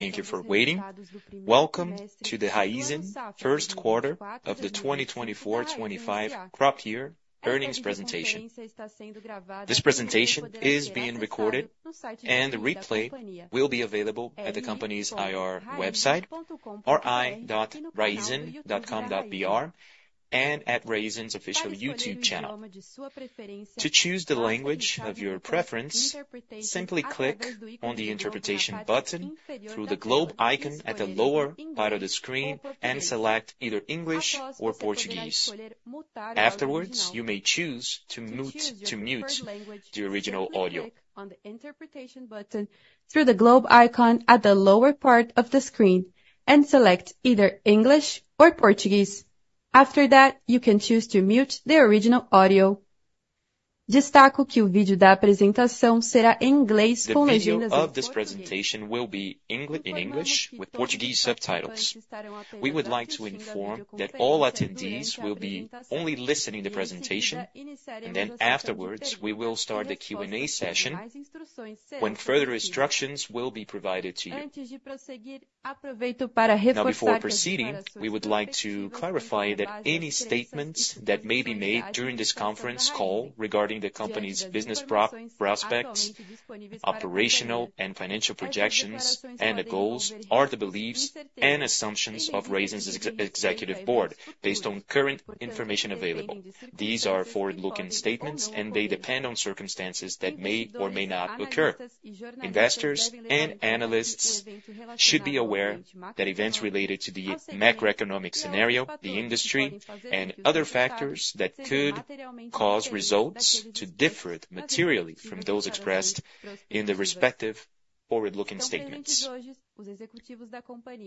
Thank you for waiting. Welcome to the Raízen first quarter of the 2024 to 2025 crop year earnings presentation. This presentation is being recorded and the replay will be available at the company's IR website, ri.raizen.com.br, and at Raízen's official YouTube channel. To choose the language of your preference, simply click on the interpretation button through the globe icon at the lower part of the screen and select either English or Portuguese. Afterwards, you may choose to mute the original audio. On the interpretation button through the globe icon at the lower part of the screen, and select either English or Portuguese. After that, you can choose to mute the original audio. The video of this presentation will be in English with Portuguese subtitles. We would like to inform that all attendees will be only listening the presentation, and then afterwards, we will start the Q&A session, when further instructions will be provided to you. Now, before proceeding, we would like to clarify that any statements that may be made during this conference call regarding the company's business prospects, operational and financial projections, and the goals are the beliefs and assumptions of Raízen's Executive Board based on current information available. These are forward-looking statements, and they depend on circumstances that may or may not occur. Investors and analysts should be aware that events related to the macroeconomic scenario, the industry, and other factors that could cause results to differ materially from those expressed in the respective forward-looking statements.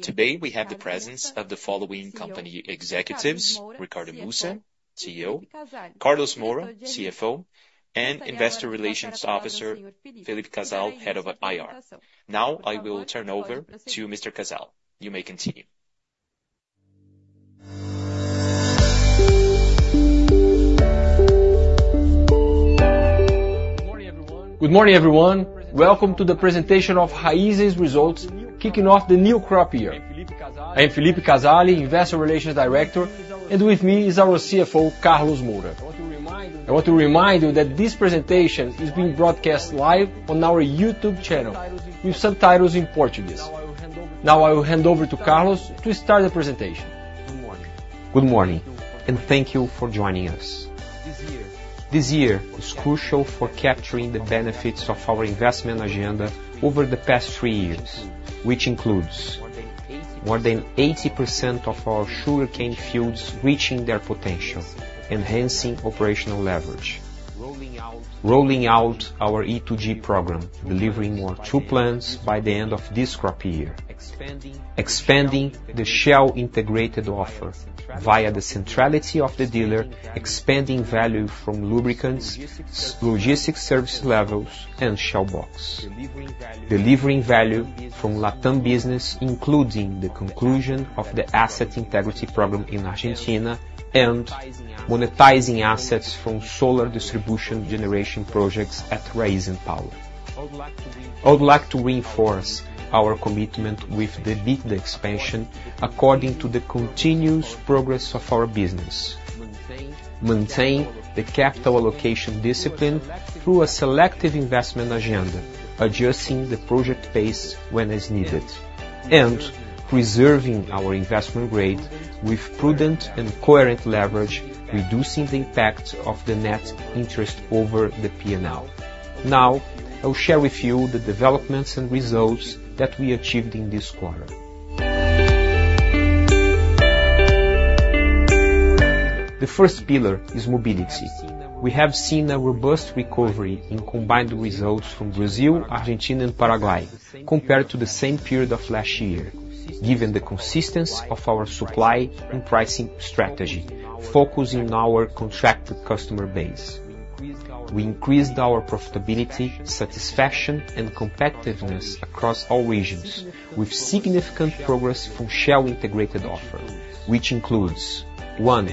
Today, we have the presence of the following company executives: Ricardo Mussa, CEO, Carlos Moura, CFO, and Investor Relations Officer Philippe Casale, Head of IR. Now, I will turn over to Mr. Casale. You may continue. Good morning, everyone. Welcome to the presentation of Raízen's results, kicking off the new crop year. I am Philippe Casale, Investor Relations Director, and with me is our CFO, Carlos Moura. I want to remind you that this presentation is being broadcast live on our YouTube channel with subtitles in Portuguese. Now, I will hand over to Carlos to start the presentation. Good morning, and thank you for joining us. This year is crucial for capturing the benefits of our investment agenda over the past three years, which includes more than 80% of our sugarcane fields reaching their potential, enhancing operational leverage, rolling out, rolling out our E2G program, delivering more true plans by the end of this crop year. Expanding the Shell integrated offer via the centrality of the dealer, expanding value from lubricants, logistics service levels, and Shell Box. Delivering value from Latam business, including the conclusion of the asset integrity problem in Argentina and monetizing assets from solar distribution generation projects at Raízen Power. I would like to reinforce our commitment with the EBITDA expansion according to the continuous progress of our business, maintain the capital allocation discipline through a selective investment agenda, adjusting the project pace when as needed, and preserving our investment grade with prudent and coherent leverage, reducing the impact of the net interest over the P&L. Now, I'll share with you the developments and results that we achieved in this quarter. The first pillar is mobility. We have seen a robust recovery in combined results from Brazil, Argentina, and Paraguay compared to the same period of last year. Given the consistency of our supply and pricing strategy, focusing our contracted customer base, we increased our profitability, satisfaction, and competitiveness across all regions, with significant progress from Shell integrated offer, which includes, one,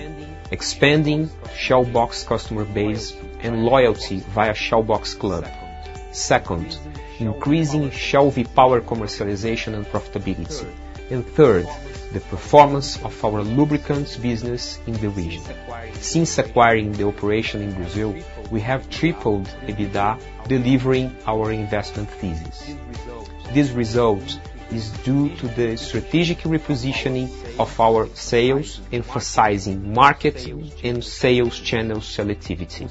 expanding Shell Box customer base and loyalty via Shell Box Club. Second, increasing Shell V-Power commercialization and profitability. And third, the performance of our lubricants business in the region. Since acquiring the operation in Brazil, we have tripled EBITDA, delivering our investment thesis. This result is due to the strategic repositioning of our sales, emphasizing market and sales channel selectivity.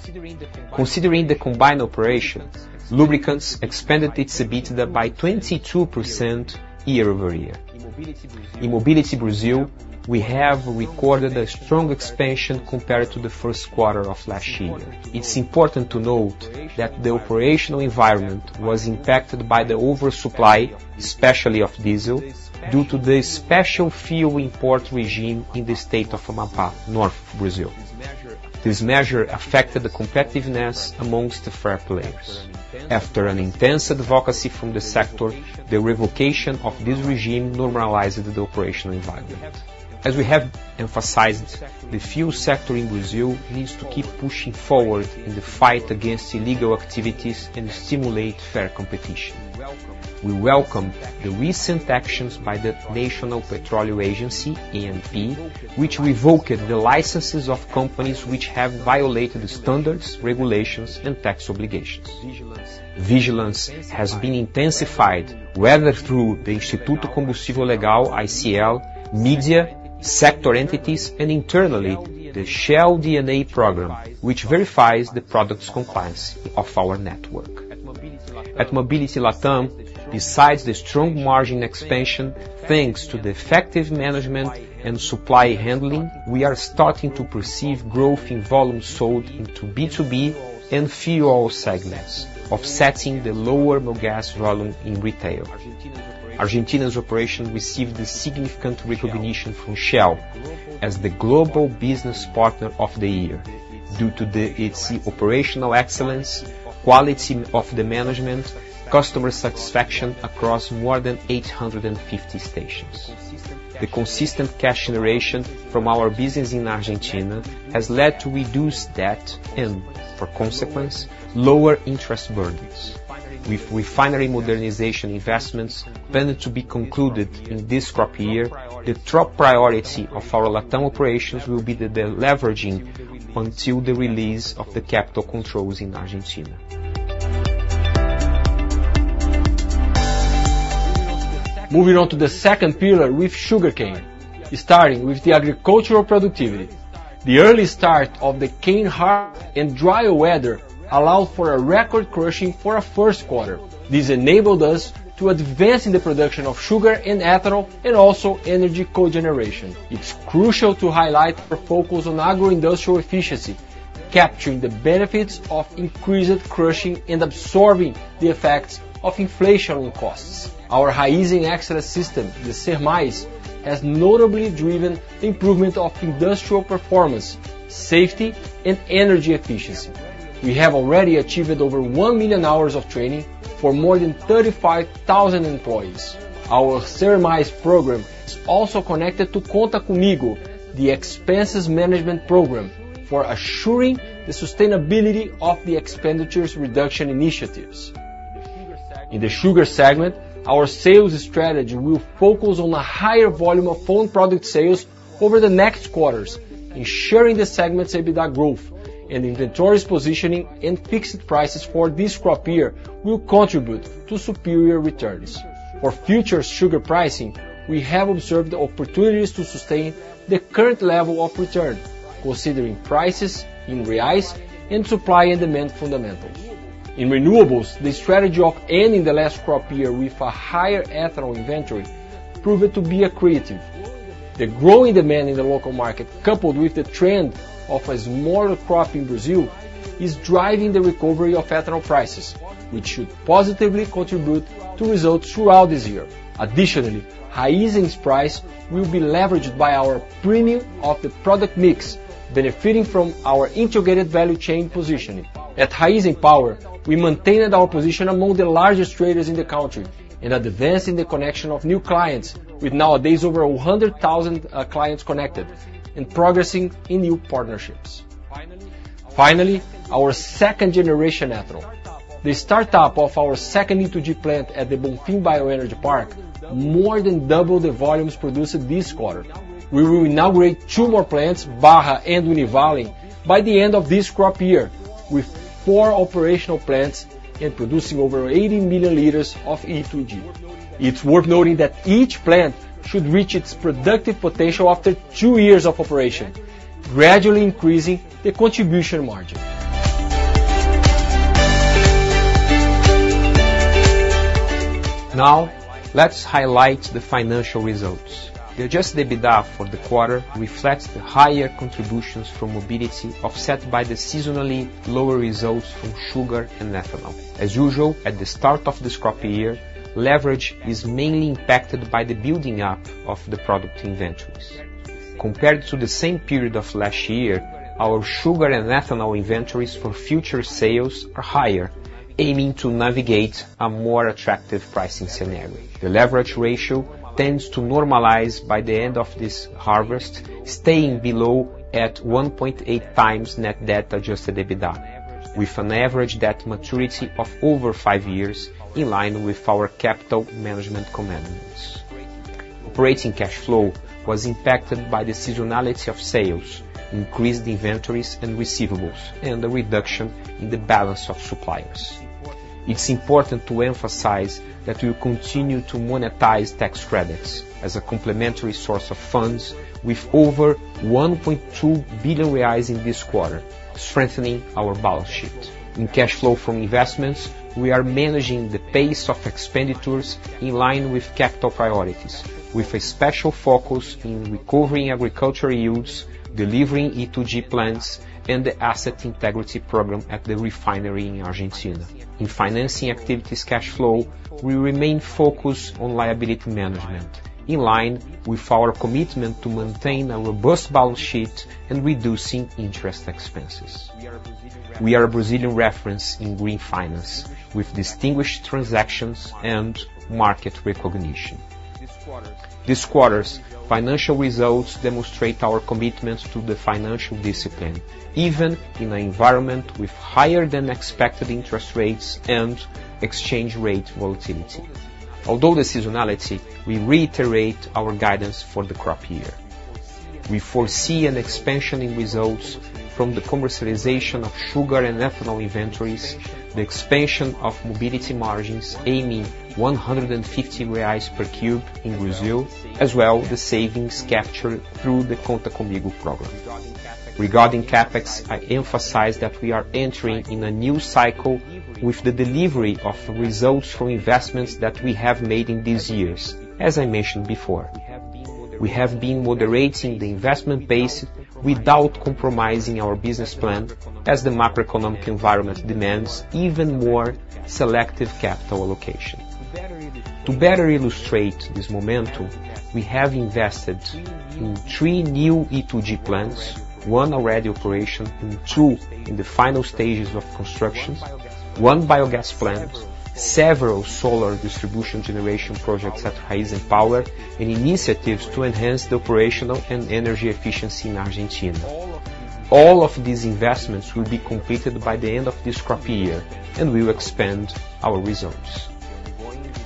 Considering the combined operations, lubricants expanded its EBITDA by 22% year-over-year. In Mobility Brazil, we have recorded a strong expansion compared to the first quarter of last year. It's important to note that the operational environment was impacted by the oversupply, especially of diesel, due to the special fuel import regime in the state of Amapá, north Brazil. This measure affected the competitiveness among the fair players. After an intense advocacy from the sector, the revocation of this regime normalized the operational environment. As we have emphasized, the fuel sector in Brazil needs to keep pushing forward in the fight against illegal activities and stimulate fair competition. We welcome the recent actions by the National Petroleum Agency, ANP, which revoked the licenses of companies which have violated the standards, regulations, and tax obligations. Vigilance has been intensified, whether through the Instituto Combustível Legal, ICL, media, sector entities, and internally, the Shell DNA program, which verifies the product's compliance of our network. At Mobility Latam, besides the strong margin expansion, thanks to the effective management and supply handling, we are starting to perceive growth in volume sold into B2B and fuel oil segments, offsetting the lower Mogas volume in retail. Argentina's operation received a significant recognition from Shell as the Global Business Partner of the Year, due to its operational excellence, quality of the management, customer satisfaction across more than 850 stations. The consistent cash generation from our business in Argentina has led to reduced debt and, as a consequence, lower interest burdens. With refinery modernization investments planned to be concluded in this crop year, the top priority of our Latam operations will be the deleveraging until the release of the capital controls in Argentina. Moving on to the second pillar with sugarcane, starting with the agricultural productivity. The early start of the cane harvest and dry weather allowed for a record crushing for our first quarter. This enabled us to advance in the production of sugar and ethanol, and also energy cogeneration. It's crucial to highlight our focus on agro-industrial efficiency, capturing the benefits of increased crushing and absorbing the effects of inflation on costs. Our Raízen Excellence System, the SER+, has notably driven the improvement of industrial performance, safety, and energy efficiency. We have already achieved over 1 million hours of training for more than 35,000 employees. Our SER+ program is also connected to Conta Comigo, the expenses management program, for assuring the sustainability of the expenditures reduction initiatives. In the sugar segment, our sales strategy will focus on a higher volume of own product sales over the next quarters, ensuring the segment's EBITDA growth, and inventories positioning and fixed prices for this crop year will contribute to superior returns. For future sugar pricing, we have observed opportunities to sustain the current level of return, considering prices in reais and supply and demand fundamentals. In renewables, the strategy of ending the last crop year with a higher ethanol inventory proved to be accretive. The growing demand in the local market, coupled with the trend of a smaller crop in Brazil, is driving the recovery of ethanol prices, which should positively contribute to results throughout this year. Additionally, Raízen's price will be leveraged by our premium of the product mix, benefiting from our integrated value chain positioning. At Raízen Power, we maintained our position among the largest traders in the country and advancing the connection of new clients, with nowadays over 100,000 clients connected, and progressing in new partnerships. Finally, our second-generation ethanol. The startup of our second E2G plant at the Bonfim Bioenergy Park, more than double the volumes produced this quarter. We will inaugurate two more plants, Barra and Univalem, by the end of this crop year, with four operational plants and producing over 80 million liters of E2G. It's worth noting that each plant should reach its productive potential after two years of operation, gradually increasing the contribution margin. Now, let's highlight the financial results. The adjusted EBITDA for the quarter reflects the higher contributions from mobility, offset by the seasonally lower results from sugar and ethanol. As usual, at the start of this crop year, leverage is mainly impacted by the building up of the product inventories. Compared to the same period of last year, our sugar and ethanol inventories for future sales are higher, aiming to navigate a more attractive pricing scenario. The leverage ratio tends to normalize by the end of this harvest, staying below 1.8x net debt adjusted EBITDA, with an average debt maturity of over five years, in line with our capital management commitments. Operating cash flow was impacted by the seasonality of sales, increased inventories and receivables, and a reduction in the balance of suppliers....It's important to emphasize that we will continue to monetize tax credits as a complementary source of funds, with over 1.2 billion reais in this quarter, strengthening our balance sheet. In cash flow from investments, we are managing the pace of expenditures in line with capital priorities, with a special focus in recovering agricultural yields, delivering E2G plans, and the asset integrity program at the refinery in Argentina. In financing activities cash flow, we remain focused on liability management, in line with our commitment to maintain a robust balance sheet and reducing interest expenses. We are a Brazilian reference in green finance, with distinguished transactions and market recognition. This quarter's financial results demonstrate our commitment to the financial discipline, even in an environment with higher than expected interest rates and exchange rate volatility. Although the seasonality, we reiterate our guidance for the crop year. We foresee an expansion in results from the commercialization of sugar and ethanol inventories, the expansion of mobility margins aiming 150 reais per cube in Brazil, as well the savings captured through the Conta Comigo program. Regarding CapEx, I emphasize that we are entering in a new cycle with the delivery of results from investments that we have made in these years, as I mentioned before. We have been moderating the investment pace without compromising our business plan, as the macroeconomic environment demands even more selective capital allocation. To better illustrate this momentum, we have invested in 3 new E2G plants, 1 already operational and 2 in the final stages of construction, 1 biogas plant, several solar distribution generation projects at Raízen Power, and initiatives to enhance the operational and energy efficiency in Argentina. All of these investments will be completed by the end of this crop year, and will expand our results.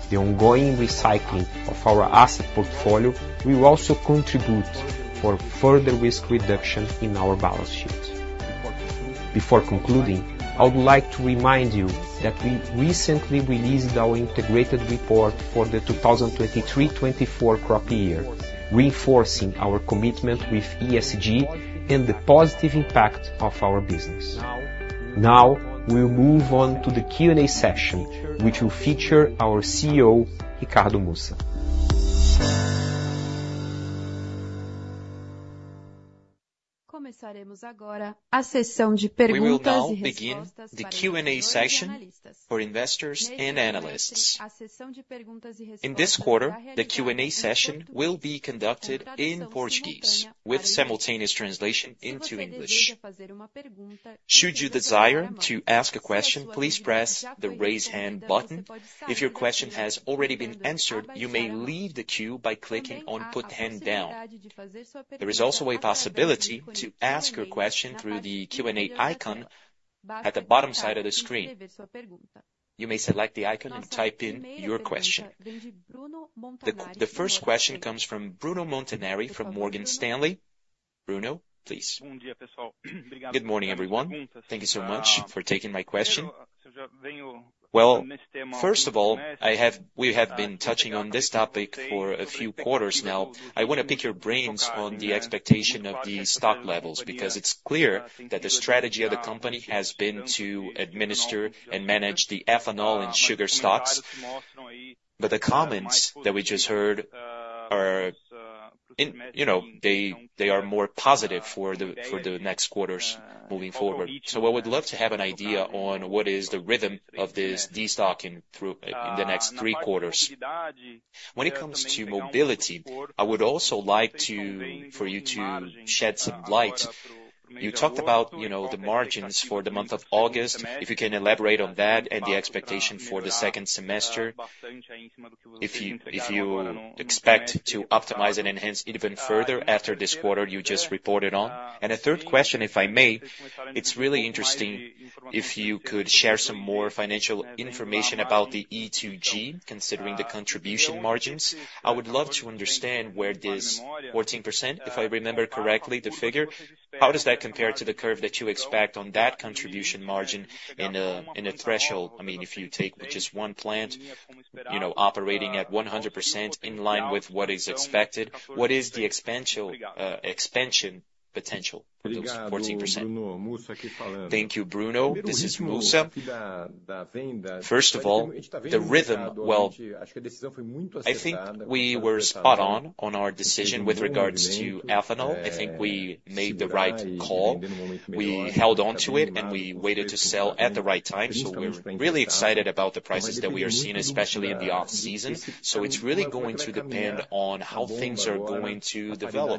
The ongoing recycling of our asset portfolio will also contribute for further risk reduction in our balance sheet. Before concluding, I would like to remind you that we recently released our integrated report for the 2023/2024 crop year, reinforcing our commitment with ESG and the positive impact of our business. Now, we'll move on to the Q&A session, which will feature our CEO, Ricardo Mussa. We will now begin the Q&A session for investors and analysts. In this quarter, the Q&A session will be conducted in Portuguese with simultaneous translation into English. Should you desire to ask a question, please press the Raise Hand button. If your question has already been answered, you may leave the queue by clicking on Put Hand Down. There is also a possibility to ask your question through the Q&A icon at the bottom side of the screen. You may select the icon and type in your question. The first question comes from Bruno Montanari, from Morgan Stanley. Bruno, please. Good morning, everyone. Thank you so much for taking my question. Well, first of all, I have—we have been touching on this topic for a few quarters now. I wanna pick your brains on the expectation of the stock levels, because it's clear that the strategy of the company has been to administer and manage the ethanol and sugar stocks. But the comments that we just heard are, you know, they, they are more positive for the, for the next quarters moving forward. So I would love to have an idea on what is the rhythm of this destocking through in the next three quarters. When it comes to mobility, I would also like to for you to shed some light. You talked about, you know, the margins for the month of August, if you can elaborate on that and the expectation for the second semester, if you, if you expect to optimize and enhance even further after this quarter you just reported on? A third question, if I may: It's really interesting, if you could share some more financial information about the E2G, considering the contribution margins. I would love to understand where this 14%, if I remember correctly, the figure, how does that compare to the curve that you expect on that contribution margin in a, in a threshold? I mean, if you take just one plant, you know, operating at 100% in line with what is expected, what is the exponential expansion potential for those 14%? Thank you, Bruno. This is Mussa. First of all, the rhythm, well, I think we were spot on on our decision with regards to ethanol. I think we made the right call. We held on to it, and we waited to sell at the right time, so we're really excited about the prices that we are seeing, especially in the off-season. So it's really going to depend on how things are going to develop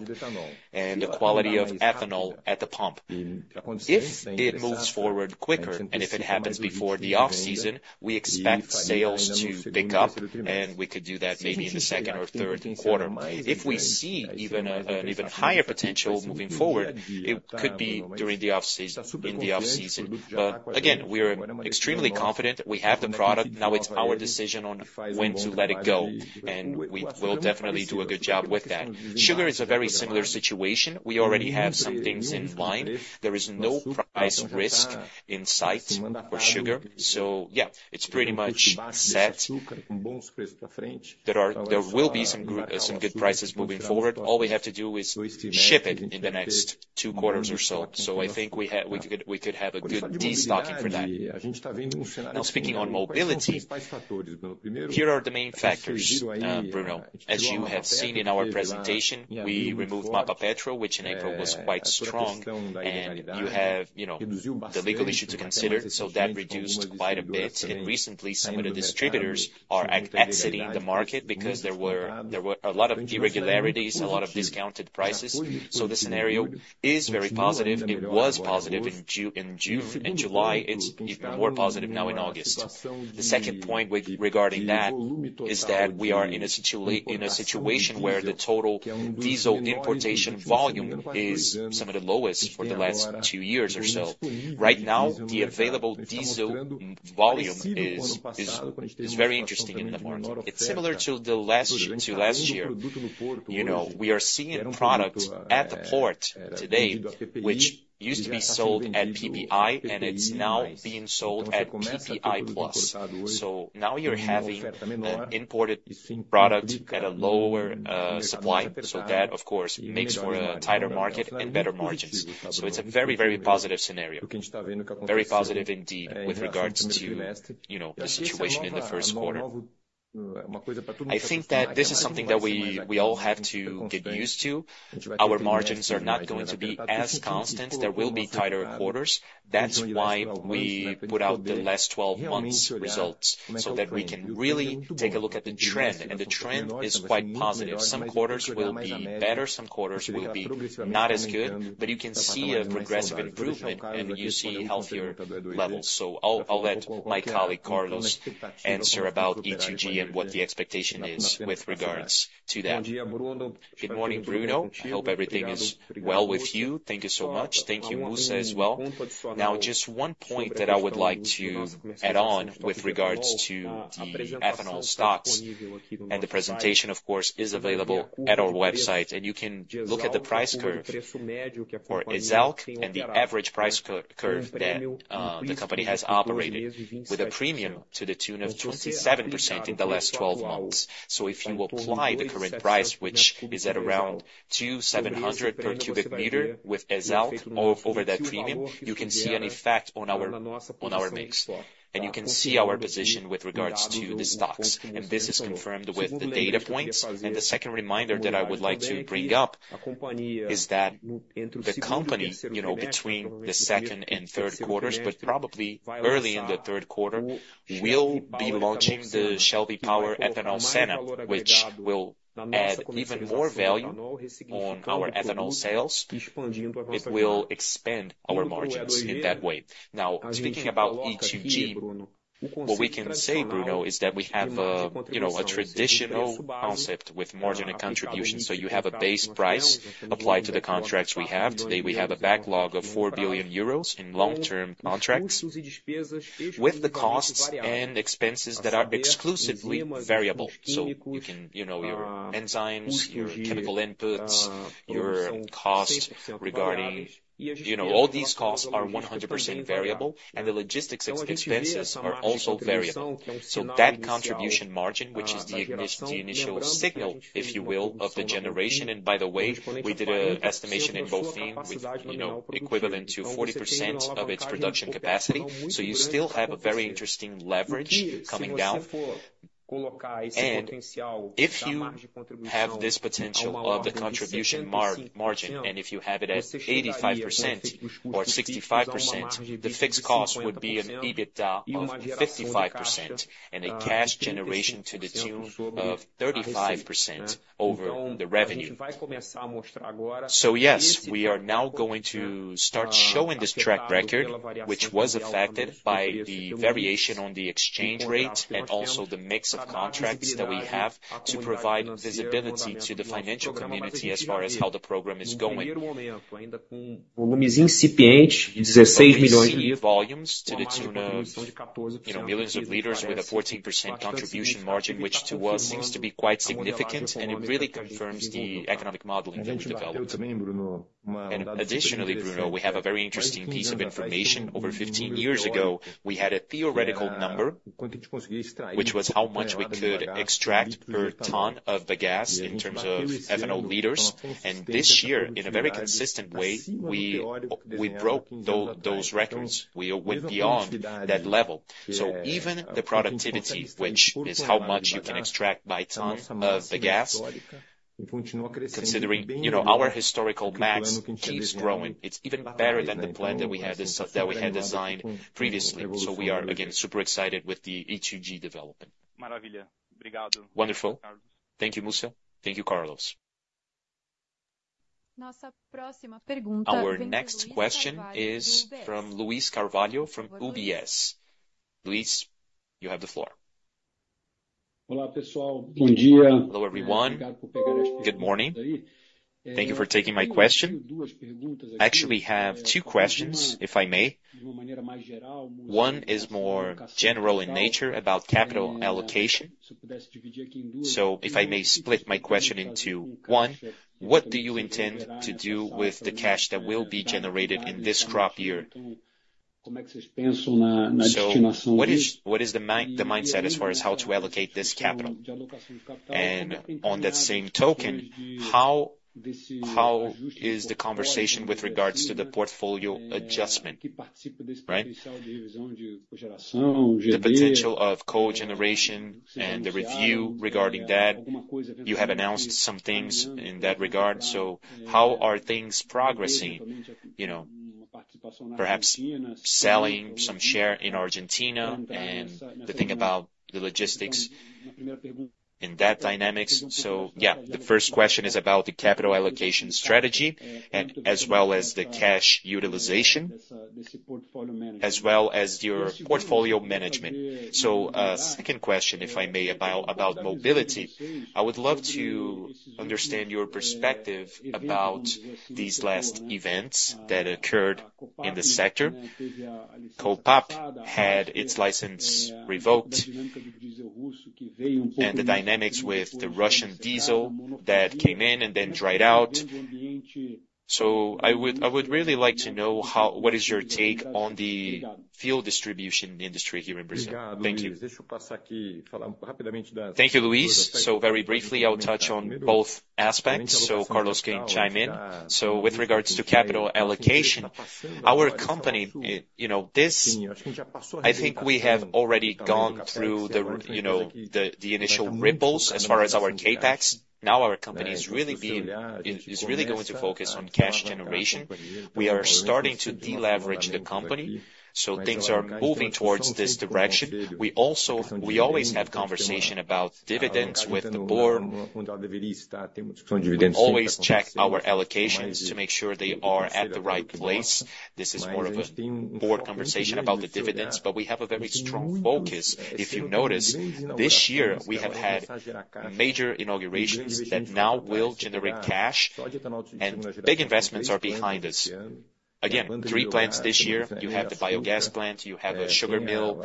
and the quality of ethanol at the pump. If it moves forward quicker, and if it happens before the off-season, we expect sales to pick up, and we could do that maybe in the second or third quarter. If we see even an even higher potential moving forward, it could be during the off-season, in the off-season. But again, we are extremely confident. We have the product, now it's our decision on when to let it go, and we will definitely do a good job with that. Sugar is a very similar situation. We already have some things in line. There is no price risk in sight for sugar. So yeah, it's pretty much set. There will be some good prices moving forward. All we have to do is ship it in the next two quarters or so. So I think we could have a good destocking for that. Now, speaking on mobility, here are the main factors, Bruno. As you have seen in our presentation, we removed Mapapetro, which in April was quite strong, and you have, you know, the legal issue to consider, so that reduced quite a bit. Recently, some of the distributors are exiting the market because there were, there were a lot of irregularities, a lot of discounted prices, so the scenario is very positive. It was positive in July. It's even more positive now in August. The second point with regarding that, is that we are in a situation where the total diesel importation volume is some of the lowest for the last two years or so. Right now, the available diesel volume is very interesting in the market. It's similar to the last year, to last year. You know, we are seeing a product at the port today, which used to be sold at PPI, and it's now being sold at PPI plus. So now you're having an imported product at a lower supply, so that, of course, makes for a tighter market and better margins. So it's a very, very positive scenario. Very positive indeed, with regards to, you know, the situation in the first quarter. ... I think that this is something that we all have to get used to. Our margins are not going to be as constant. There will be tighter quarters. That's why we put out the last 12 months' results, so that we can really take a look at the trend, and the trend is quite positive. Some quarters will be better, some quarters will be not as good, but you can see a progressive improvement, and you see healthier levels. So I'll let my colleague, Carlos, answer about E2G and what the expectation is with regards to that. Good morning, Bruno. I hope everything is well with you. Thank you so much. Thank you, Mussa, as well. Now, just one point that I would like to add on with regards to the ethanol stocks, and the presentation, of course, is available at our website, and you can look at the price curve for ESALQ and the average price curve that the company has operated, with a premium to the tune of 27% in the last 12 months. So if you apply the current price, which is at around 2,700 per cubic meter with ESALQ, over that premium, you can see an effect on our, on our mix, and you can see our position with regards to the stocks. And this is confirmed with the data points. The second reminder that I would like to bring up is that the company, you know, between the second and third quarters, but probably early in the third quarter, will be launching the Shell V-Power Etanol, which will add even more value on our ethanol sales. It will expand our margins in that way. Now, speaking about E2G, what we can say, Bruno, is that we have a, you know, a traditional concept with margin and contribution. So you have a base price applied to the contracts we have. Today, we have a backlog of 4 billion euros in long-term contracts, with the costs and expenses that are exclusively variable. So you can... you know, your enzymes, your chemical inputs, your cost regarding, you know, all these costs are 100% variable, and the logistics expenses are also variable. So that contribution margin, which is the initial signal, if you will, of the generation, and by the way, we did a estimation in both, with, you know, equivalent to 40% of its production capacity, so you still have a very interesting leverage coming down. And if you have this potential of the contribution margin, and if you have it at 85% or 65%, the fixed cost would be an EBITDA of 55% and a cash generation to the tune of 35% over the revenue. So yes, we are now going to start showing this track record, which was affected by the variation on the exchange rate and also the mix of contracts that we have to provide visibility to the financial community as far as how the program is going. We've seen volumes to the tune of, you know, millions of liters with a 14% contribution margin, which to us seems to be quite significant, and it really confirms the economic modeling that we've developed. Additionally, Bruno, we have a very interesting piece of information. Over 15 years ago, we had a theoretical number, which was how much we could extract per ton of bagasse in terms of ethanol liters, and this year, in a very consistent way, we broke those records. We went beyond that level. So even the productivity, which is how much you can extract by ton of bagasse, considering, you know, our historical max keeps growing. It's even better than the plan that we had designed previously. So we are, again, super excited with the E2G development. Wonderful. Thank you, Mussa. Thank you, Carlos. Our next question is from Luiz Carvalho, from UBS. Luiz, you have the floor. Hello, everyone. Good morning. Thank you for taking my question. I actually have two questions, if I may. One is more general in nature about capital allocation. So if I may split my question into one: What do you intend to do with the cash that will be generated in this crop year? So what is the mindset as far as how to allocate this capital? And on that same token, how is the conversation with regards to the portfolio adjustment, right? The potential of cogeneration and the review regarding that. You have announced some things in that regard, so how are things progressing? You know, perhaps selling some share in Argentina and the thing about the logistics in that dynamics. So yeah, the first question is about the capital allocation strategy and as well as the cash utilization, as well as your portfolio management. So, second question, if I may, about, about mobility. I would love to understand your perspective about these last events that occurred in the sector. Copape had its license revoked, and the dynamics with the Russian diesel that came in and then dried out. So I would, I would really like to know how—what is your take on the fuel distribution industry here in Brazil? Thank you. Thank you, Luiz. So very briefly, I will touch on both aspects, so Carlos can chime in. So with regards to capital allocation, our company, you know, this, I think we have already gone through you know, the initial ripples as far as our CapEx. Now our company is really being, it, it's really going to focus on cash generation. We are starting to deleverage the company, so things are moving towards this direction. We also. We always have conversation about dividends with the board. We always check our allocations to make sure they are at the right place. This is more of a board conversation about the dividends, but we have a very strong focus. If you notice, this year, we have had major inaugurations that now will generate cash, and big investments are behind us.... Again, three plants this year. You have the biogas plant, you have a sugar mill,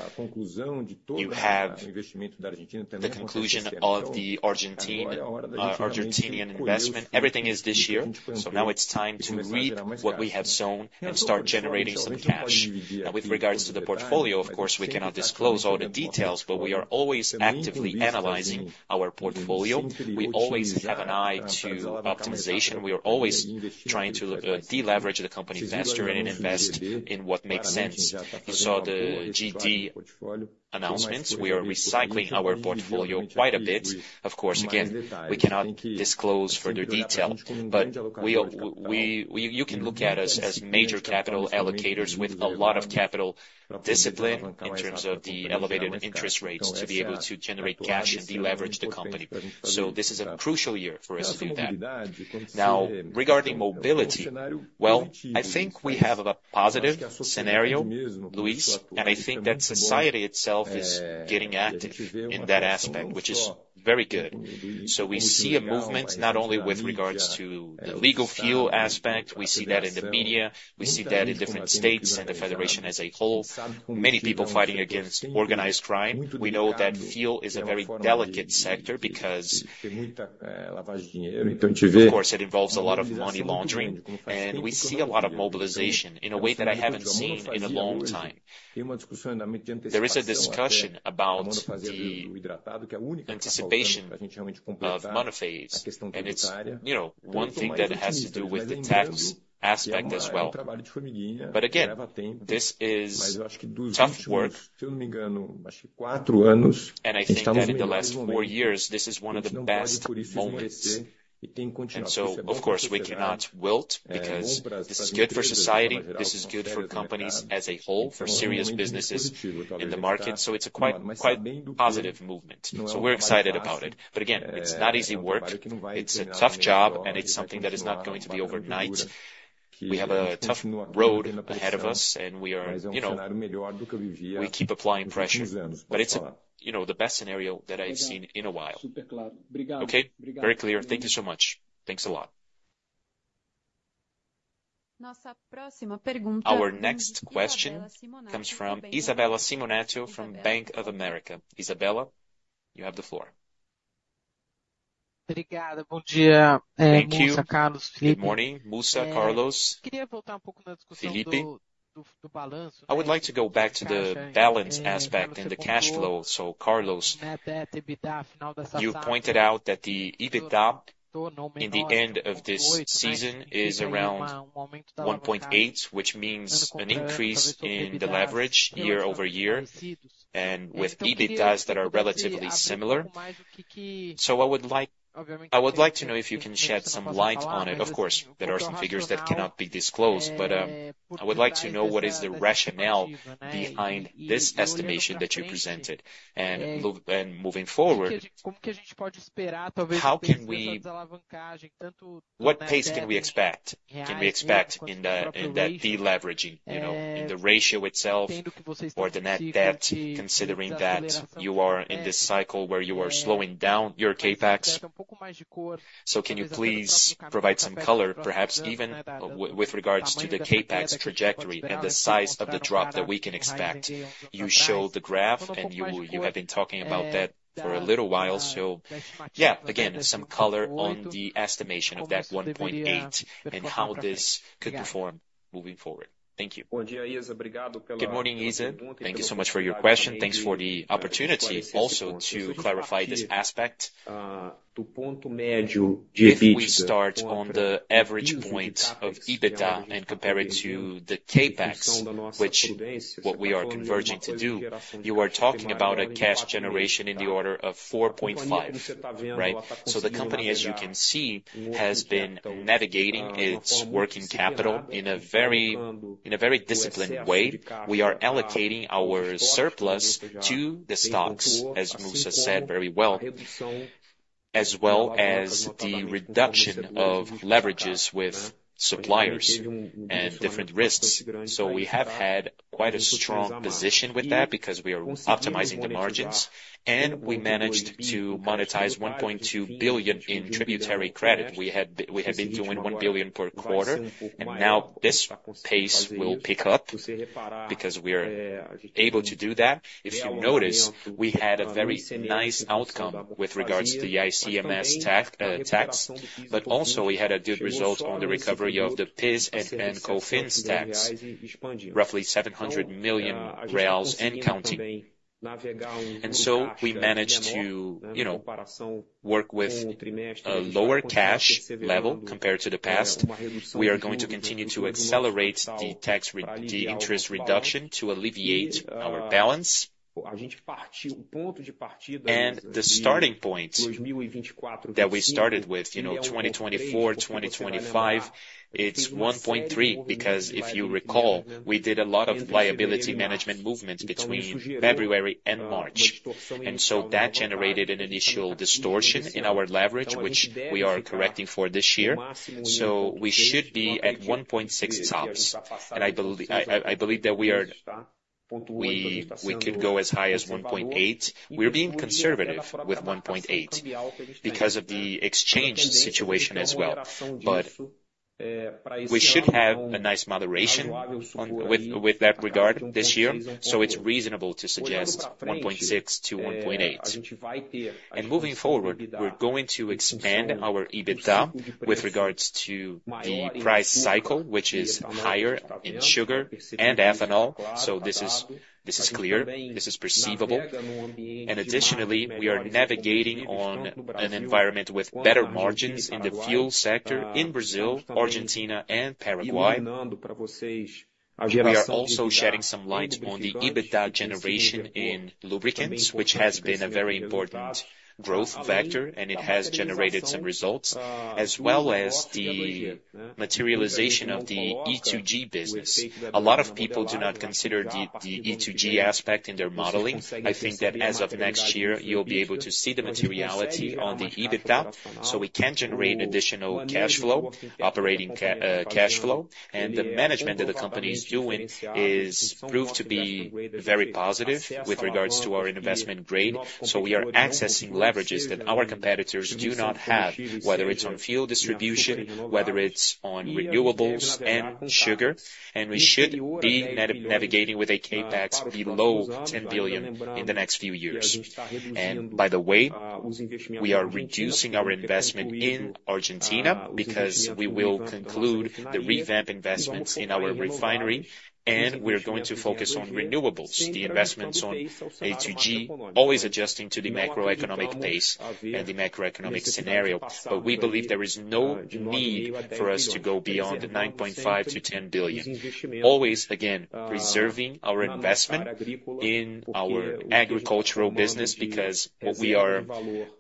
you have the conclusion of the Argentinian investment. Everything is this year, so now it's time to reap what we have sown and start generating some cash. Now, with regards to the portfolio, of course, we cannot disclose all the details, but we are always actively analyzing our portfolio. We always have an eye to optimization. We are always trying to deleverage the company better and invest in what makes sense. You saw the GD announcements. We are recycling our portfolio quite a bit. Of course, again, we cannot disclose further detail, but we all, you can look at us as major capital allocators with a lot of capital discipline in terms of the elevated interest rates to be able to generate cash and deleverage the company. So this is a crucial year for us to do that. Now, regarding mobility, well, I think we have a positive scenario, Luiz, and I think that society itself is getting active in that aspect, which is very good. So we see a movement not only with regards to the legal fuel aspect; we see that in the media, we see that in different states and the federation as a whole. Many people fighting against organized crime. We know that fuel is a very delicate sector because, of course, it involves a lot of money laundering, and we see a lot of mobilization in a way that I haven't seen in a long time. There is a discussion about the anticipation of monophasic, and it's, you know, one thing that has to do with the tax aspect as well. But again, this is tough work, and I think that in the last four years, this is one of the best moments. And so, of course, we cannot wilt because this is good for society, this is good for companies as a whole, for serious businesses in the market, so it's a quite, quite positive movement. So we're excited about it. But again, it's not easy work. It's a tough job, and it's something that is not going to be overnight. We have a tough road ahead of us, and we are, you know, we keep applying pressure, but it's a, you know, the best scenario that I've seen in a while. Okay. Very clear. Thank you so much. Thanks a lot. Our next question comes from Isabella Simonato from Bank of America. Isabella, you have the floor. Thank you. Good morning, Mussa, Carlos, Philippe. I would like to go back to the balance aspect and the cash flow. So, Carlos, you pointed out that the EBITDA at the end of this season is around 1.8, which means an increase in the leverage year-over-year, and with EBITDAs that are relatively similar. So I would like-- I would like to know if you can shed some light on it. Of course, there are some figures that cannot be disclosed, but I would like to know what is the rationale behind this estimation that you presented. And move, and moving forward, how can we-- what pace can we expect, can we expect in the, in that deleveraging, you know, in the ratio itself or the net debt, considering that you are in this cycle where you are slowing down your CapEx? So can you please provide some color, perhaps even with regards to the CapEx trajectory and the size of the drop that we can expect? You showed the graph, and you have been talking about that for a little while, so yeah, again, some color on the estimation of that 1.8 and how this could perform moving forward. Thank you. Good morning, Isa. Thank you so much for your question. Thanks for the opportunity also to clarify this aspect. If we start on the average point of EBITDA and compare it to the CapEx, which what we are converging to do, you are talking about a cash generation in the order of 4.5, right? So the company, as you can see, has been navigating its working capital in a very disciplined way. We are allocating our surplus to the stocks, as Mussa said very well, as well as the reduction of leverages with suppliers and different risks. So we have had quite a strong position with that because we are optimizing the margins, and we managed to monetize 1.2 billion in tributary credit. We have been doing 1 billion per quarter, and now this pace will pick up because we are able to do that. If you notice, we had a very nice outcome with regards to the ICMS tax, tax, but also we had a good result on the recovery of the PIS and COFINS tax, roughly 700 million reais and counting. And so we managed to, you know, work with a lower cash level compared to the past. We are going to continue to accelerate the interest reduction to alleviate our balance. The starting point that we started with, you know, 2024, 2025, it's 1.3, because if you recall, we did a lot of liability management movements between February and March. And so that generated an initial distortion in our leverage, which we are correcting for this year. So we should be at 1.6 tops, and I believe that we could go as high as 1.8. We're being conservative with 1.8 because of the exchange situation as well, but we should have a nice moderation with that regard this year, so it's reasonable to suggest 1.6 to 1.8. Moving forward, we're going to expand our EBITDA with regards to the price cycle, which is higher in sugar and ethanol. This is, this is clear, this is perceivable. Additionally, we are navigating on an environment with better margins in the fuel sector in Brazil, Argentina and Paraguay. We are also shedding some light on the EBITDA generation in lubricants, which has been a very important growth factor, and it has generated some results, as well as the materialization of the E2G business. A lot of people do not consider the, the E2G aspect in their modeling. I think that as of next year, you'll be able to see the materiality on the EBITDA, so we can generate additional cash flow, operating cash flow. The management that the company is doing is proved to be very positive with regards to our Investment Grade. So we are accessing leverages that our competitors do not have, whether it's on fuel distribution, whether it's on renewables and sugar, and we should be navigating with a CapEx below 10 billion in the next few years. And by the way, we are reducing our investment in Argentina, because we will conclude the revamp investments in our refinery, and we're going to focus on renewables. The investments on E2G, always adjusting to the macroeconomic pace and the macroeconomic scenario, but we believe there is no need for us to go beyond the 9.5 billion-10 billion. Always, again, reserving our investment in our agricultural business, because what we are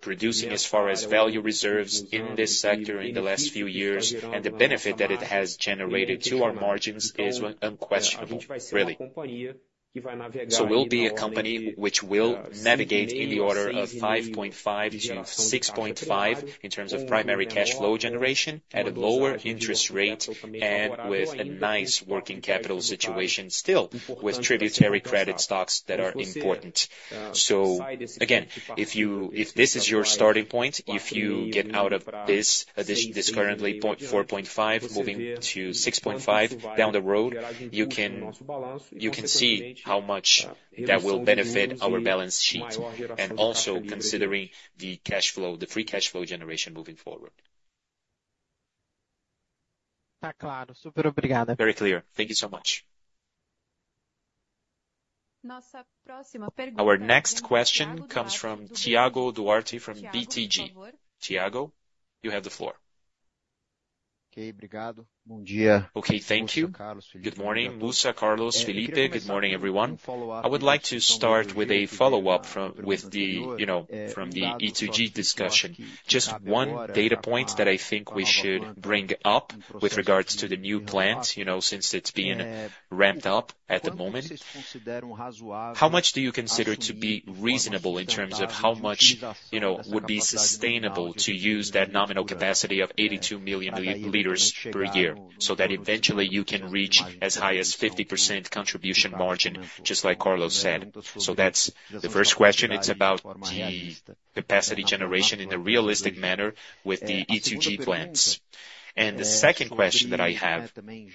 producing as far as value reserves in this sector in the last few years, and the benefit that it has generated to our margins is unquestionable, really. So we'll be a company which will navigate in the order of 5.5-6.5 in terms of primary cash flow generation, at a lower interest rate, and with a nice working capital situation, still with tributary credit stocks that are important. So again, if this is your starting point, if you get out of this currently 0.4, 0.5, moving to 6.5 down the road, you can see how much that will benefit our balance sheet, and also considering the cash flow, the free cash flow generation moving forward. Very clear. Thank you so much. Our next question comes from Thiago Duarte from BTG. Thiago, you have the floor. Okay, thank you. Good morning, Luca, Carlos, Philippe. Good morning, everyone. I would like to start with a follow-up from, with the, you know, from the E2G discussion. Just one data point that I think we should bring up with regards to the new plant, you know, since it's being ramped up at the moment. How much do you consider to be reasonable in terms of how much, you know, would be sustainable to use that nominal capacity of 82 million liters per year, so that eventually you can reach as high as 50% contribution margin, just like Carlos said? So that's the first question. It's about the capacity generation in a realistic manner with the E2G plans. The second question that I have, and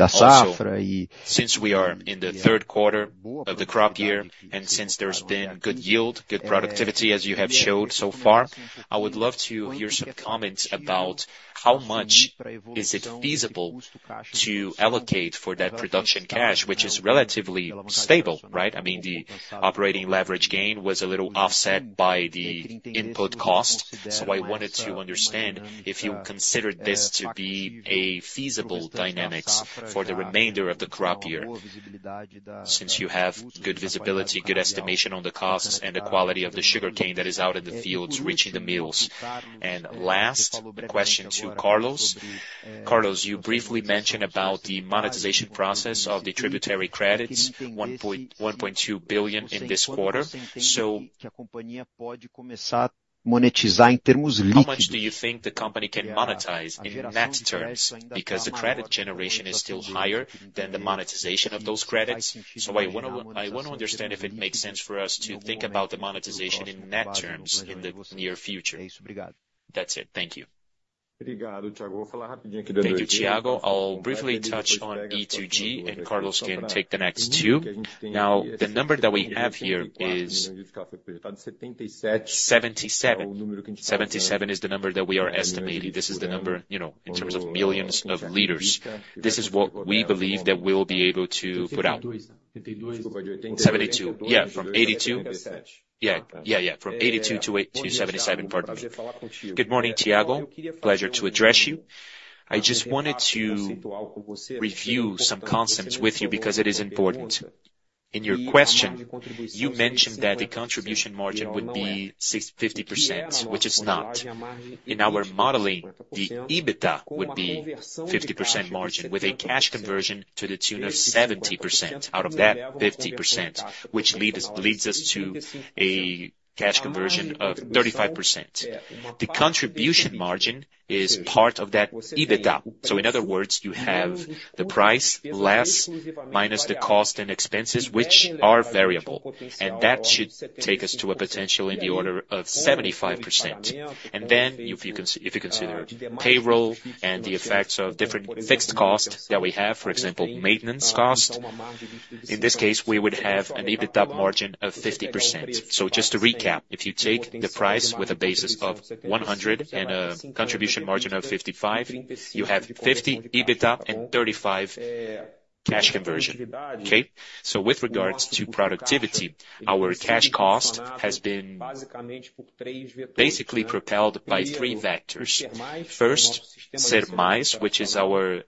also, since we are in the third quarter of the crop year, and since there's been good yield, good productivity, as you have showed so far, I would love to hear some comments about how much is it feasible to allocate for that production cash, which is relatively stable, right? I mean, the operating leverage gain was a little offset by the input cost. So I wanted to understand if you considered this to be a feasible dynamics for the remainder of the crop year, since you have good visibility, good estimation on the costs and the quality of the sugarcane that is out in the fields, reaching the mills. And last, a question to Carlos. Carlos, you briefly mentioned about the monetization process of the tributary credits, 1.12 billion in this quarter. So how much do you think the company can monetize in net terms? Because the credit generation is still higher than the monetization of those credits. So I wanna, I wanna understand if it makes sense for us to think about the monetization in net terms in the near future. That's it. Thank you. Thank you, Thiago. I'll briefly touch on E2G, and Carlos can take the next two. Now, the number that we have here is 77. 77 is the number that we are estimating. This is the number, you know, in terms of millions of liters. This is what we believe that we'll be able to put out. 72. Yeah, from 82. Yeah. Yeah, yeah, from 82 to 8- to 77, pardon me. Good morning, Thiago. Pleasure to address you. I just wanted to review some concepts with you because it is important. In your question, you mentioned that the contribution margin would be sixty percent, which is not. In our modeling, the EBITDA would be 50% margin with a cash conversion to the tune of 70%. Out of that, 50%, which leads us to a cash conversion of 35%. The contribution margin is part of that EBITDA. So in other words, you have the price less, minus the cost and expenses, which are variable, and that should take us to a potential in the order of 75%. And then if you consider payroll and the effects of different fixed costs that we have, for example, maintenance cost, in this case, we would have an EBITDA margin of 50%. So just to recap, if you take the price with a basis of 100 and a contribution margin of 55, you have 50 EBITDA and 35 cash conversion. Okay? So with regards to productivity, our cash cost has been basically propelled by three vectors. First, Sermais, which is our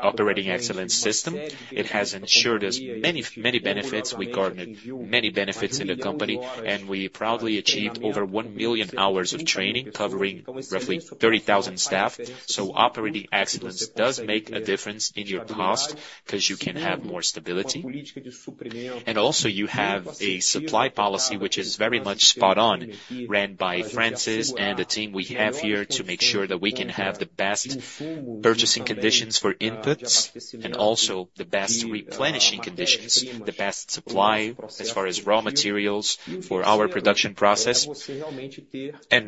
operating excellence system. It has ensured us many, many benefits. We garnered many benefits in the company, and we proudly achieved over 1 million hours of training, covering roughly 30,000 staff. So operating excellence does make a difference in your cost, 'cause you can have more stability. Also, you have a supply policy, which is very much spot on, run by Francis and the team we have here to make sure that we can have the best purchasing conditions for inputs and also the best replenishing conditions, the best supply as far as raw materials for our production process.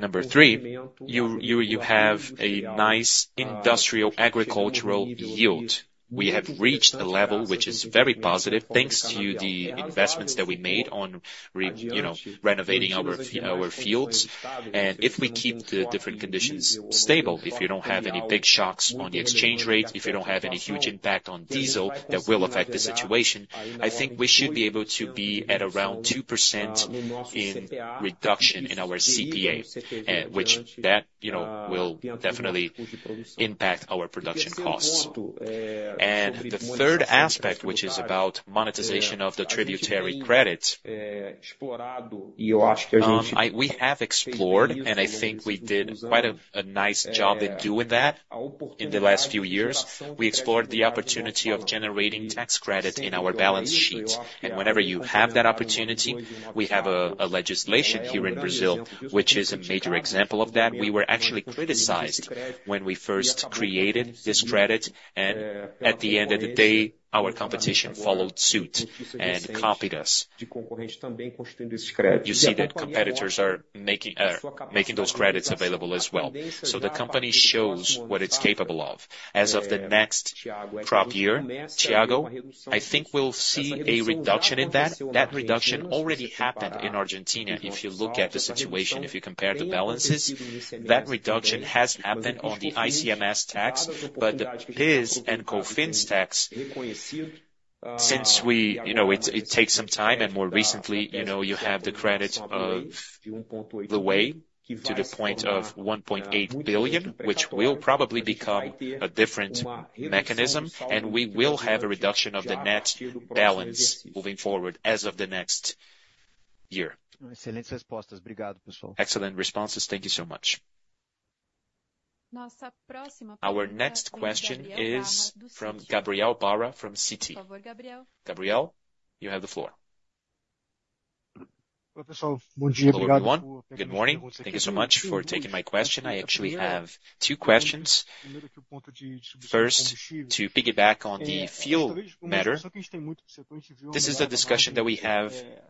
Number three, you have a nice industrial agricultural yield. We have reached a level which is very positive, thanks to the investments that we made on, you know, renovating our fields. If we keep the different conditions stable, if you don't have any big shocks on the exchange rate, if you don't have any huge impact on diesel, that will affect the situation. I think we should be able to be at around 2% in reduction in our CTP, which that, you know, will definitely impact our production costs. And the third aspect, which is about monetization of the tributary credits, we have explored, and I think we did quite a nice job in doing that in the last few years. We explored the opportunity of generating tax credit in our balance sheet. And whenever you have that opportunity, we have a legislation here in Brazil, which is a major example of that. We were actually criticized when we first created this credit, and at the end of the day, our competition followed suit and copied us. You see that competitors are making, making those credits available as well. So the company shows what it's capable of. As of the next crop year, Thiago, I think we'll see a reduction in that. That reduction already happened in Argentina. If you look at the situation, if you compare the balances, that reduction has happened on the ICMS tax, but the PIS and COFINS tax, you know, it takes some time, and more recently, you know, you have the credit of the way to the point of 1.8 billion, which will probably become a different mechanism, and we will have a reduction of the net balance moving forward as of the next year. Excellent responses. Thank you so much. Our next question is from Gabriel Barra from Citi. Gabriel, you have the floor. Hello, everyone. Good morning. Thank you so much for taking my question. I actually have two questions. First, to piggyback on the fuel matter, this is a discussion that we have constantly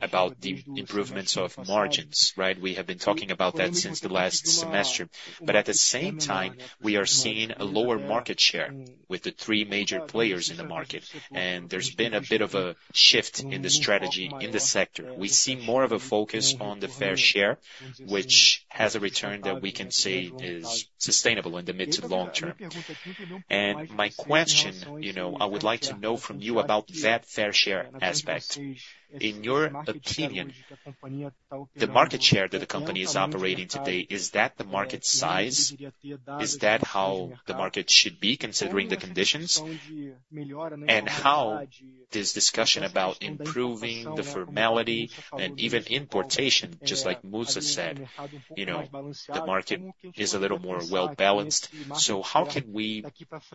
about the improvements of margins, right? We have been talking about that since the last semester, but at the same time, we are seeing a lower market share with the three major players in the market, and there's been a bit of a shift in the strategy in the sector. We see more of a focus on the fair share, which has a return that we can say is sustainable in the mid to long term. And my question, you know, I would like to know from you about that fair share aspect. In your opinion, the market share that the company is operating today, is that the market size? Is that how the market should be, considering the conditions? How this discussion about improving the formality and even importation, just like Mussa said, you know, the market is a little more well-balanced. So how can we,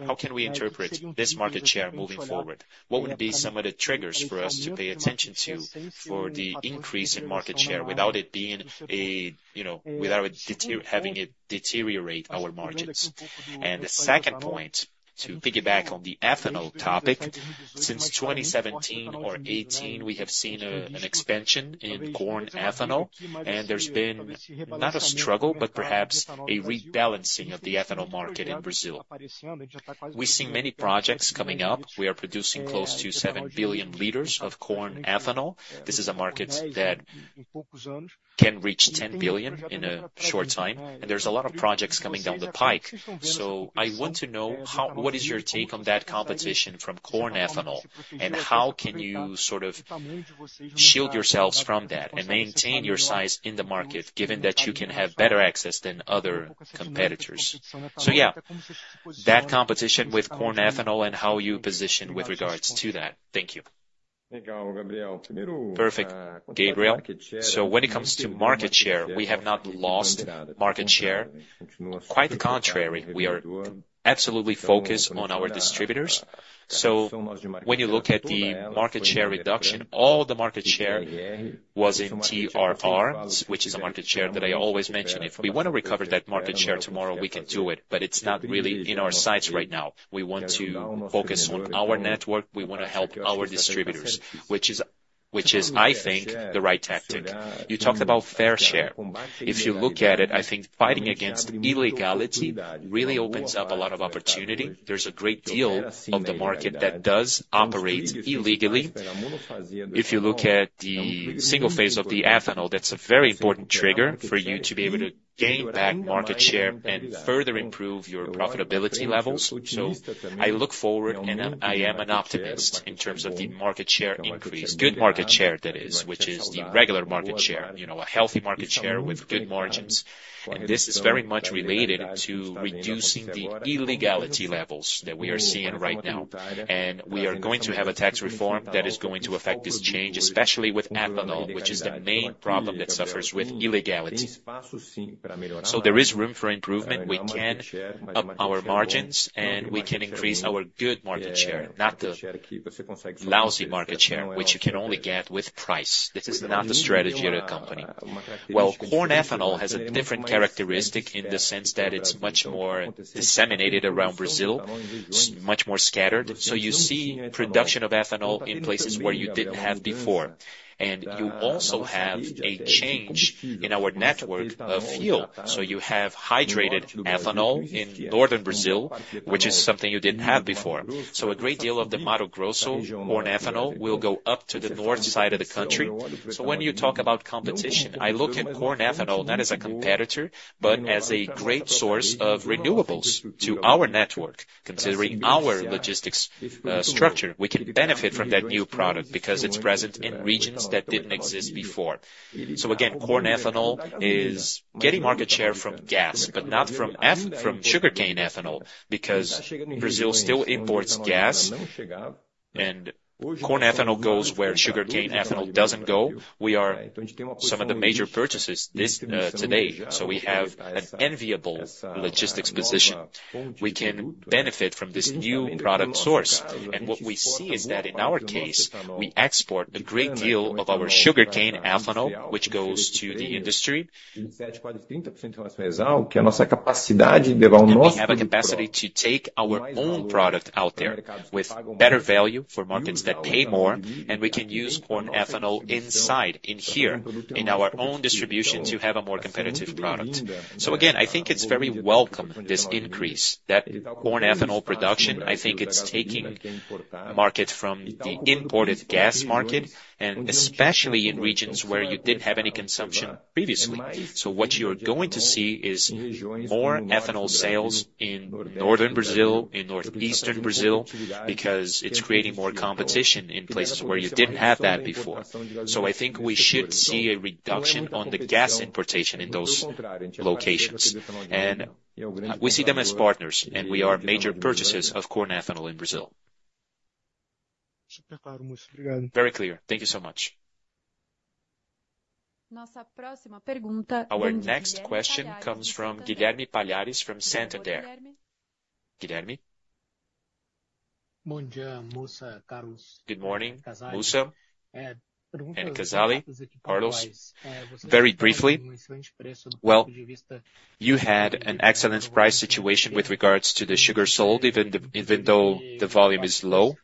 how can we interpret this market share moving forward? What would be some of the triggers for us to pay attention to for the increase in market share without it being a, you know, without having it deteriorate our margins? And the second point, to piggyback on the ethanol topic, since 2017 or 2018, we have seen an expansion in corn ethanol, and there's been not a struggle, but perhaps a rebalancing of the ethanol market in Brazil. We've seen many projects coming up. We are producing close to 7 billion liters of corn ethanol. This is a market that can reach 10 billion in a short time, and there's a lot of projects coming down the pipe. So I want to know how—what is your take on that competition from corn ethanol, and how can you sort of shield yourselves from that and maintain your size in the market, given that you can have better access than other competitors? So yeah, that competition with corn ethanol and how you position with regards to that. Thank you. Perfect, Gabriel. So when it comes to market share, we have not lost market share. Quite the contrary, we are absolutely focused on our distributors. So when you look at the market share reduction, all the market share was in TRRs, which is a market share that I always mention. If we want to recover that market share tomorrow, we can do it, but it's not really in our sights right now. We want to focus on our network. We wanna help our distributors, which is, I think, the right tactic. You talked about fair share. If you look at it, I think fighting against illegality really opens up a lot of opportunity. There's a great deal of the market that does operate illegally. If you look at the single phase of the ethanol, that's a very important trigger for you to be able to gain back market share and further improve your profitability levels. So I look forward, and I am an optimist in terms of the market share increase. Good market share, that is, which is the regular market share, you know, a healthy market share with good margins. This is very much related to reducing the illegality levels that we are seeing right now. We are going to have a tax reform that is going to affect this change, especially with ethanol, which is the main problem that suffers with illegality. So there is room for improvement. We can up our margins, and we can increase our good market share, not the lousy market share, which you can only get with price. This is not the strategy of the company. Well, corn ethanol has a different characteristic in the sense that it's much more disseminated around Brazil, much more scattered. So you see production of ethanol in places where you didn't have before, and you also have a change in our network of fuel. So you have hydrated ethanol in Northern Brazil, which is something you didn't have before. So a great deal of the Mato Grosso corn ethanol will go up to the north side of the country. So when you talk about competition, I look at corn ethanol not as a competitor, but as a great source of renewables to our network. Considering our logistics structure, we can benefit from that new product because it's present in regions that didn't exist before. So again, corn ethanol is getting market share from gas, but not from eth- from sugarcane ethanol, because Brazil still imports gas, and corn ethanol goes where sugarcane ethanol doesn't go. We are some of the major purchasers this today, so we have an enviable logistics position. We can benefit from this new product source. And what we see is that in our case, we export a great deal of our sugarcane ethanol, which goes to the industry. We have a capacity to take our own product out there with better value for markets that pay more, and we can use corn ethanol inside, in here, in our own distribution to have a more competitive product. So again, I think it's very welcome, this increase, that corn ethanol production, I think it's taking market from the imported gas market, and especially in regions where you didn't have any consumption previously. So what you're going to see is more ethanol sales in Northern Brazil, in Northeastern Brazil, because it's creating more competition in places where you didn't have that before. So I think we should see a reduction on the gas importation in those locations, and we see them as partners, and we are major purchasers of corn ethanol in Brazil. Very clear. Thank you so much. Our next question comes from Guilherme Palhares from Santander. Guilherme? Good morning, Mussa and Casale, Carlos. Very briefly, well, you had an excellent price situation with regards to the sugar sold, even the, even though the volume is low.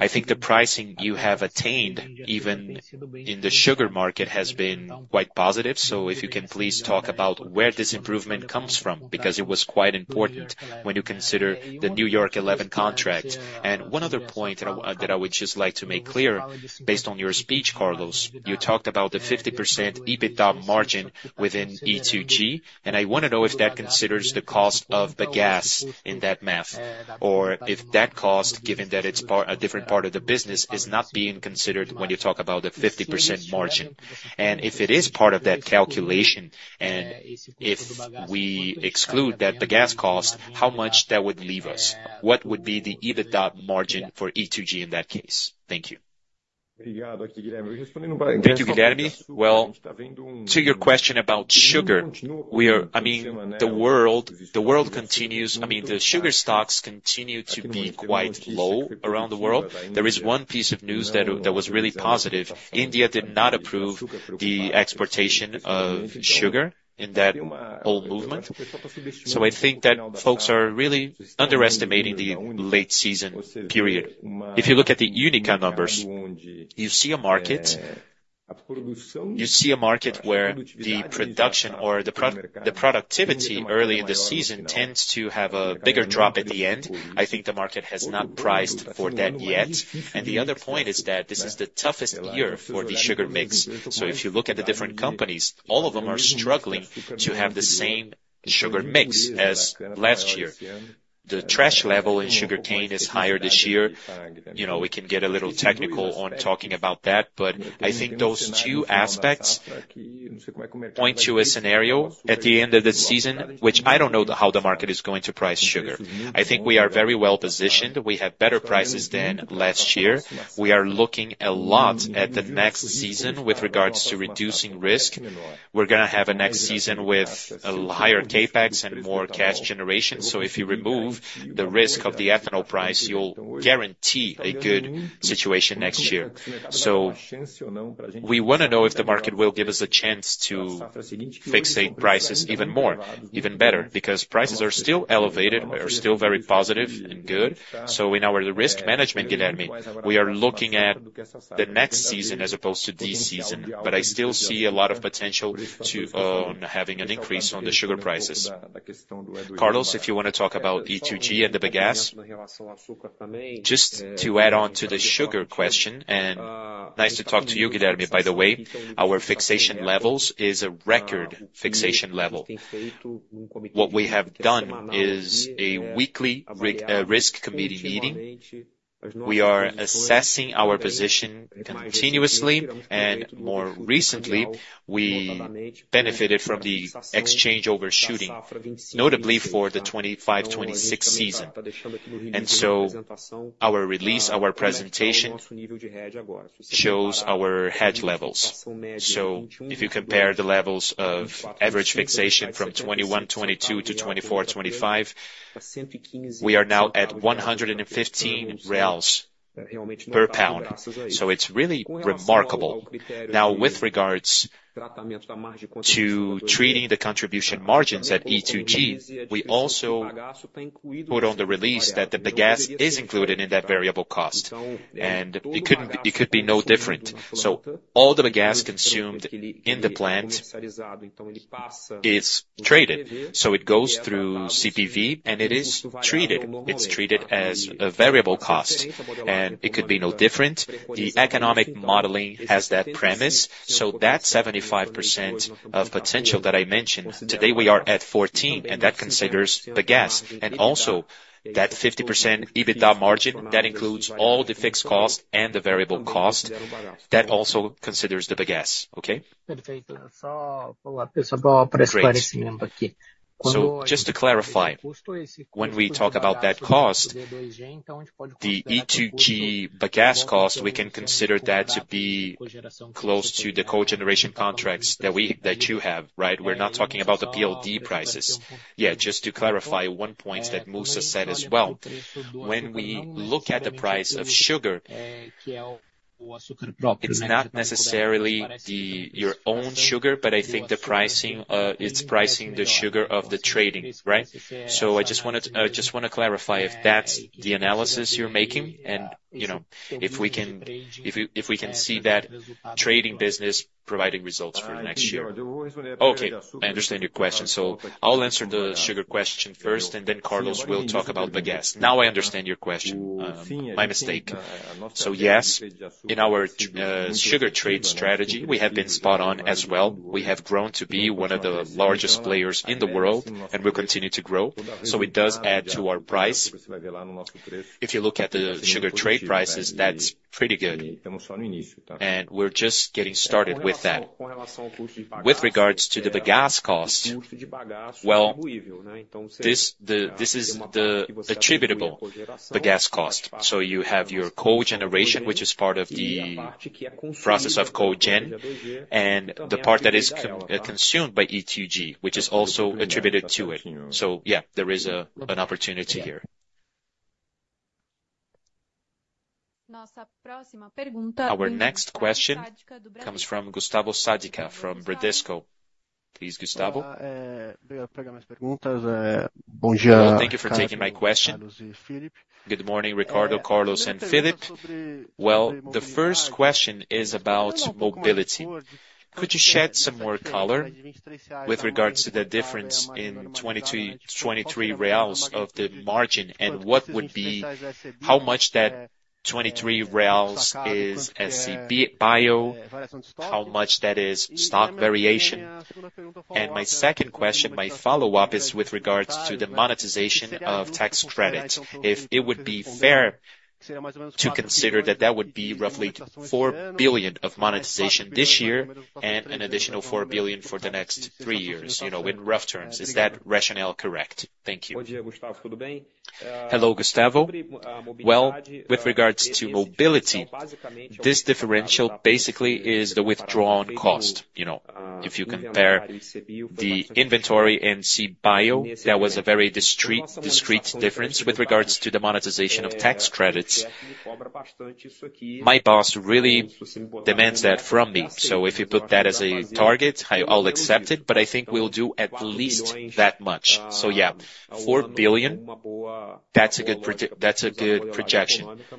I think the pricing you have attained, even in the sugar market, has been quite positive. So if you can please talk about where this improvement comes from, because it was quite important when you consider the New York 11 contract. And one other point that I, that I would just like to make clear, based on your speech, Carlos: you talked about the 50% EBITDA margin within E2G, and I wanna know if that considers the cost of the gas in that math, or if that cost, given that it's part, a different part of the business, is not being considered when you talk about the 50% margin. And if it is part of that calculation, and if we exclude that, the gas cost, how much that would leave us? What would be the EBITDA margin for E2G in that case? Thank you. Thank you, Guilherme. Well, to your question about sugar, we are... I mean, the world continues—I mean, the sugar stocks continue to be quite low around the world. There is one piece of news that was really positive. India did not approve the exportation of sugar in that whole movement. So I think that folks are really underestimating the late season period. If you look at the Unica numbers, you see a market where the production or the productivity early in the season tends to have a bigger drop at the end. I think the market has not priced for that yet. And the other point is that this is the toughest year for the sugar mix. So if you look at the different companies, all of them are struggling to have the same sugar mix as last year. The trash level in sugarcane is higher this year. You know, we can get a little technical on talking about that, but I think those two aspects point to a scenario at the end of the season, which I don't know the, how the market is going to price sugar. I think we are very well positioned. We have better prices than last year. We are looking a lot at the next season with regards to reducing risk. We're gonna have a next season with a higher CapEx and more cash generation. So if you remove the risk of the ethanol price, you'll guarantee a good situation next year. So we wanna know if the market will give us a chance to fixate prices even more, even better, because prices are still elevated, are still very positive and good. So in our risk management, Guilherme, we are looking at the next season as opposed to this season, but I still see a lot of potential to having an increase on the sugar prices. Carlos, if you wanna talk about E2G and the bagasse? Just to add on to the sugar question, and nice to talk to you, Guilherme, by the way. Our fixation levels is a record fixation level. What we have done is a weekly risk committee meeting. We are assessing our position continuously, and more recently, we benefited from the exchange overshooting, notably for the 25, 26 season. And so our release, our presentation shows our hedge levels. If you compare the levels of average fixation from 2021 to 2022 to 2024 to 2025, we are now at 115 per pound. It's really remarkable. Now, with regards to treating the contribution margins at E2G, we also put on the release that the bagasse is included in that variable cost, and it could, it could be no different. So all the bagasse consumed in the plant is traded, so it goes through CPV, and it is treated. It's treated as a variable cost, and it could be no different. The economic modeling has that premise, so that 75% of potential that I mentioned, today we are at 14, and that considers bagasse. Also that 50% EBITDA margin, that includes all the fixed cost and the variable cost, that also considers the bagasse. Okay? Perfect. Great. So just to clarify, when we talk about that cost, the E2G bagasse cost, we can consider that to be close to the cogeneration contracts that you have, right? We're not talking about the PLD prices. Yeah, just to clarify one point that Mussa said as well. When we look at the price of sugar, it's not necessarily the, your own sugar, but I think the pricing, it's pricing the sugar of the trading, right? So I just wanted just wanna clarify if that's the analysis you're making, and, you know, if we can see that trading business providing results for the next year. Okay, I understand your question. So I'll answer the sugar question first, and then Carlos will talk about bagasse. Now I understand your question. My mistake. So yes, in our sugar trade strategy, we have been spot on as well. We have grown to be one of the largest players in the world, and we'll continue to grow, so it does add to our price. If you look at the sugar trade prices, that's pretty good, and we're just getting started with that. With regards to the bagasse cost, well, this is the attributable bagasse cost. So you have your cogeneration, which is part of the process of cogen, and the part that is consumed by E2G, which is also attributed to it. So yeah, there is an opportunity here. Our next question comes from Gustavo Sadka from Bradesco. Please, Gustavo. Thank you for taking my question. Good morning, Ricardo, Carlos, and Philippe. Well, the first question is about mobility. Could you shed some more color with regards to the difference in 23, 23 reals of the margin, and what would be... How much that 23 reals is CBIO, how much that is stock variation? And my second question, my follow-up, is with regards to the monetization of tax credit. If it would be fair to consider that that would be roughly 4 billion of monetization this year and an additional 4 billion for the next three years, you know, in rough terms, is that rationale correct? Thank you. Hello, Gustavo. Well, with regards to mobility, this differential basically is the withdrawn cost, you know. If you compare the inventory in CBIO, that was a very discrete, discrete difference with regards to the monetization of tax credits. My boss really demands that from me, so if you put that as a target, I will accept it, but I think we'll do at least that much. So yeah, 4 billion, that's a good projection.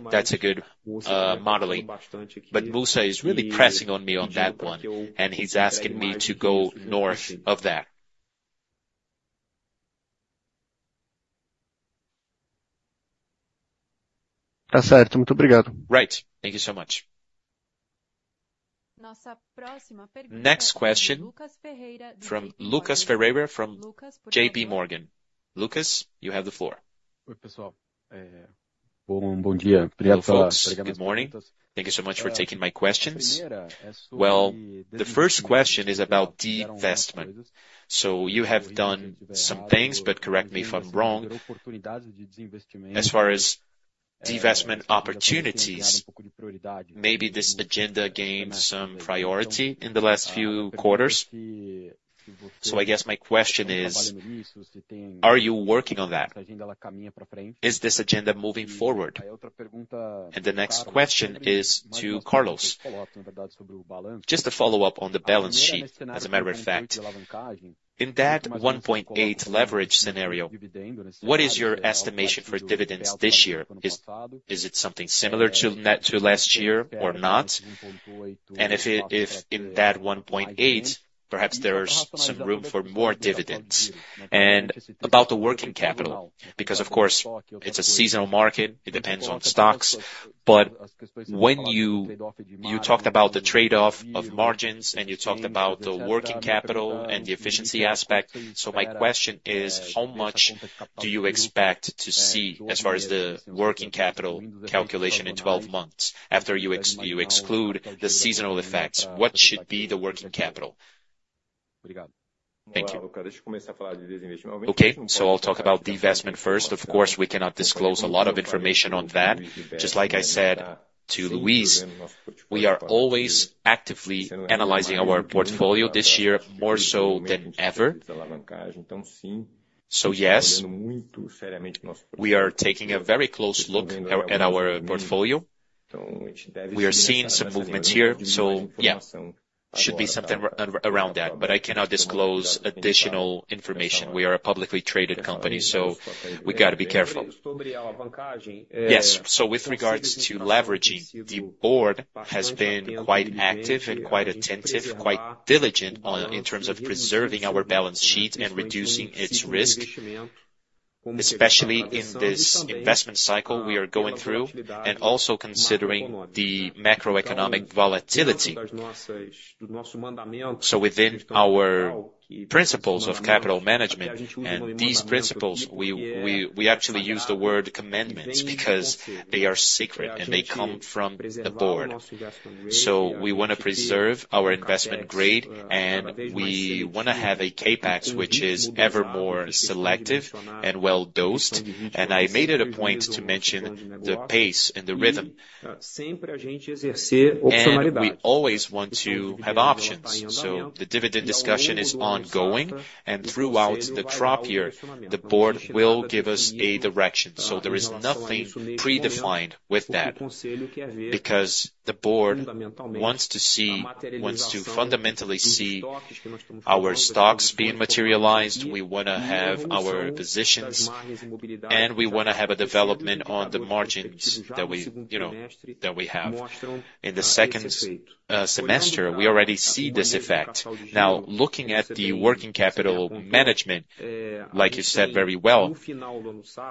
That's a good, modeling. But Mussa is really pressing on me on that one, and he's asking me to go north of that.... Tá certo, muito obrigado! Right. Thank you so much. Nossa próxima pergunta- Next question. Lucas Ferreira, de J.P. Morgan. From Lucas Ferreira, from J.P. Morgan. Lucas, you have the floor. Oi, pessoal. Bom dia. Hello, folks. Good morning. Thank you so much for taking my questions. Well, the first question is about the investment. So you have done some things, but correct me if I'm wrong, as far as divestment opportunities, maybe this agenda gained some priority in the last few quarters. So I guess my question is: Are you working on that? Is this agenda moving forward? And the next question is to Carlos. Just a follow-up on the balance sheet, as a matter of fact. In that 1.8 leverage scenario, what is your estimation for dividends this year? Is, is it something similar to net to last year or not? And if it, if in that 1.8, perhaps there's some room for more dividends. And about the working capital, because of course, it's a seasonal market, it depends on stocks. But when you talked about the trade-off of margins, and you talked about the working capital and the efficiency aspect. So my question is: How much do you expect to see as far as the working capital calculation in 12 months after you exclude the seasonal effects, what should be the working capital? Thank you. Okay, so I'll talk about divestment first. Of course, we cannot disclose a lot of information on that. Just like I said to Luiz, we are always actively analyzing our portfolio this year, more so than ever. So yes, we are taking a very close look at our portfolio. We are seeing some movements here, so yeah, should be something around that, but I cannot disclose additional information. We are a publicly traded company, so we gotta be careful. Yes, so with regards to leveraging, the board has been quite active and quite attentive, quite diligent on, in terms of preserving our balance sheet and reducing its risk, especially in this investment cycle we are going through, and also considering the macroeconomic volatility. So within our principles of capital management and these principles, we actually use the word commandments because they are sacred, and they come from the board. So we wanna preserve our investment grade, and we wanna have a CapEx, which is ever more selective and well dosed. And I made it a point to mention the pace and the rhythm. And we always want to have options. So the dividend discussion is ongoing, and throughout the crop year, the board will give us a direction. So there is nothing predefined with that, because the board wants to see, wants to fundamentally see our stocks being materialized. We wanna have our positions, and we wanna have a development on the margins that we, you know, that we have. In the second semester, we already see this effect. Now, looking at the working capital management, like you said, very well,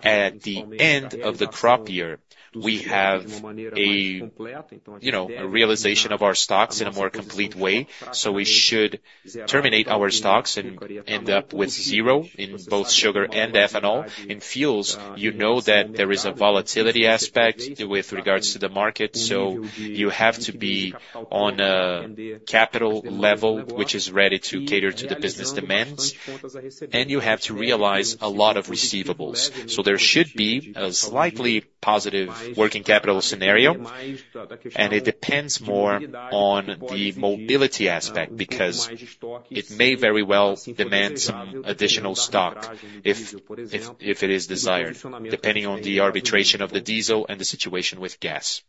at the end of the crop year, we have a, you know, a realization of our stocks in a more complete way. So we should terminate our stocks and end up with zero in both sugar and ethanol. In fuels, you know that there is a volatility aspect with regards to the market, so you have to be on a capital level, which is ready to cater to the business demands, and you have to realize a lot of receivables. So there should be a slightly positive working capital scenario, and it depends more on the mobility aspect, because it may very well demand some additional stock if it is desired, depending on the arbitration of the diesel and the situation with gas.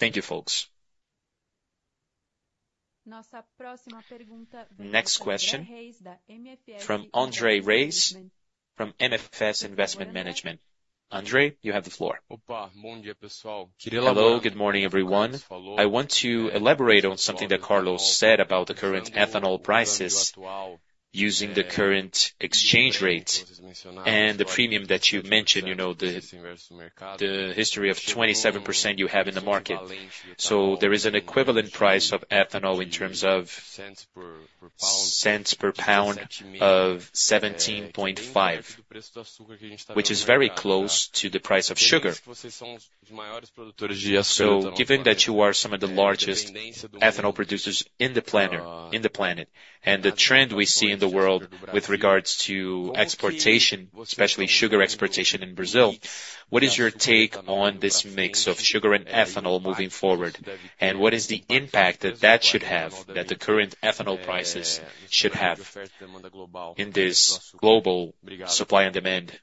Thank you, folks. Nossa próxima pergunta- Next question from Andrés Reyes, from MFS Investment Management. Andrés, you have the floor. Opa! Bom dia, pessoal. Hello, good morning, everyone. I want to elaborate on something that Carlos said about the current ethanol prices using the current exchange rate and the premium that you mentioned, you know, the, the history of 27% you have in the market. So there is an equivalent price of ethanol in terms of cents per pound, of 17.5, which is very close to the price of sugar. So given that you are some of the largest ethanol producers in the planet, and the trend we see in the world with regards to exportation, especially sugar exportation in Brazil, what is your take on this mix of sugar and ethanol moving forward? And what is the impact that that should have, that the current ethanol prices should have in this global supply and demand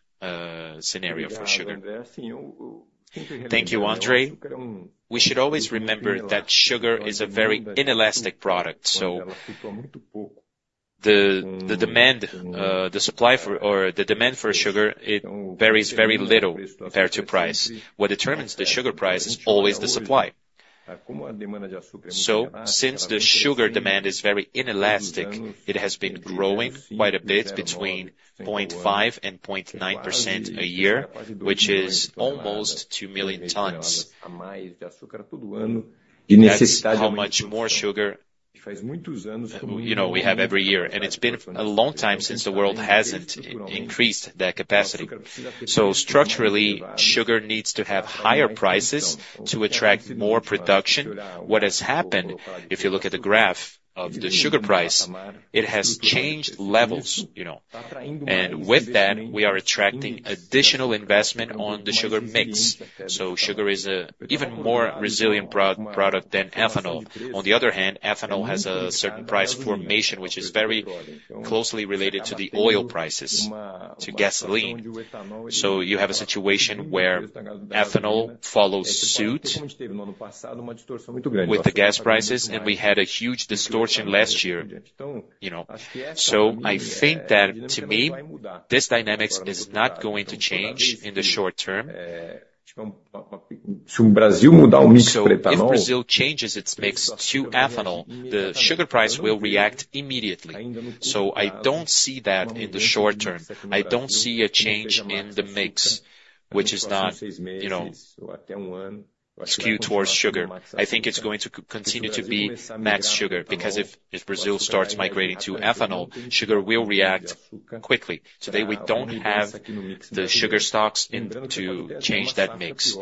scenario for sugar? Thank you, Andrés. We should always remember that sugar is a very inelastic product, the demand for sugar, it varies very little compared to price. What determines the sugar price is always the supply. So since the sugar demand is very inelastic, it has been growing quite a bit between 0.5% and 0.9% a year, which is almost 2 million tons. That's how much more sugar, you know, we have every year, and it's been a long time since the world hasn't increased that capacity. So structurally, sugar needs to have higher prices to attract more production. What has happened, if you look at the graph of the sugar price, it has changed levels, you know. And with that, we are attracting additional investment on the sugar mix. So sugar is an even more resilient pro-product than ethanol. On the other hand, ethanol has a certain price formation, which is very closely related to the oil prices, to gasoline. So you have a situation where ethanol follows suit with the gas prices, and we had a huge distortion last year, you know? So I think that to me, this dynamics is not going to change in the short term. So if Brazil changes its mix to ethanol, the sugar price will react immediately. So I don't see that in the short term. I don't see a change in the mix which is not, you know, skewed towards sugar. I think it's going to continue to be max sugar, because if, if Brazil starts migrating to ethanol, sugar will react quickly. Today, we don't have the sugar stocks in to change that mix.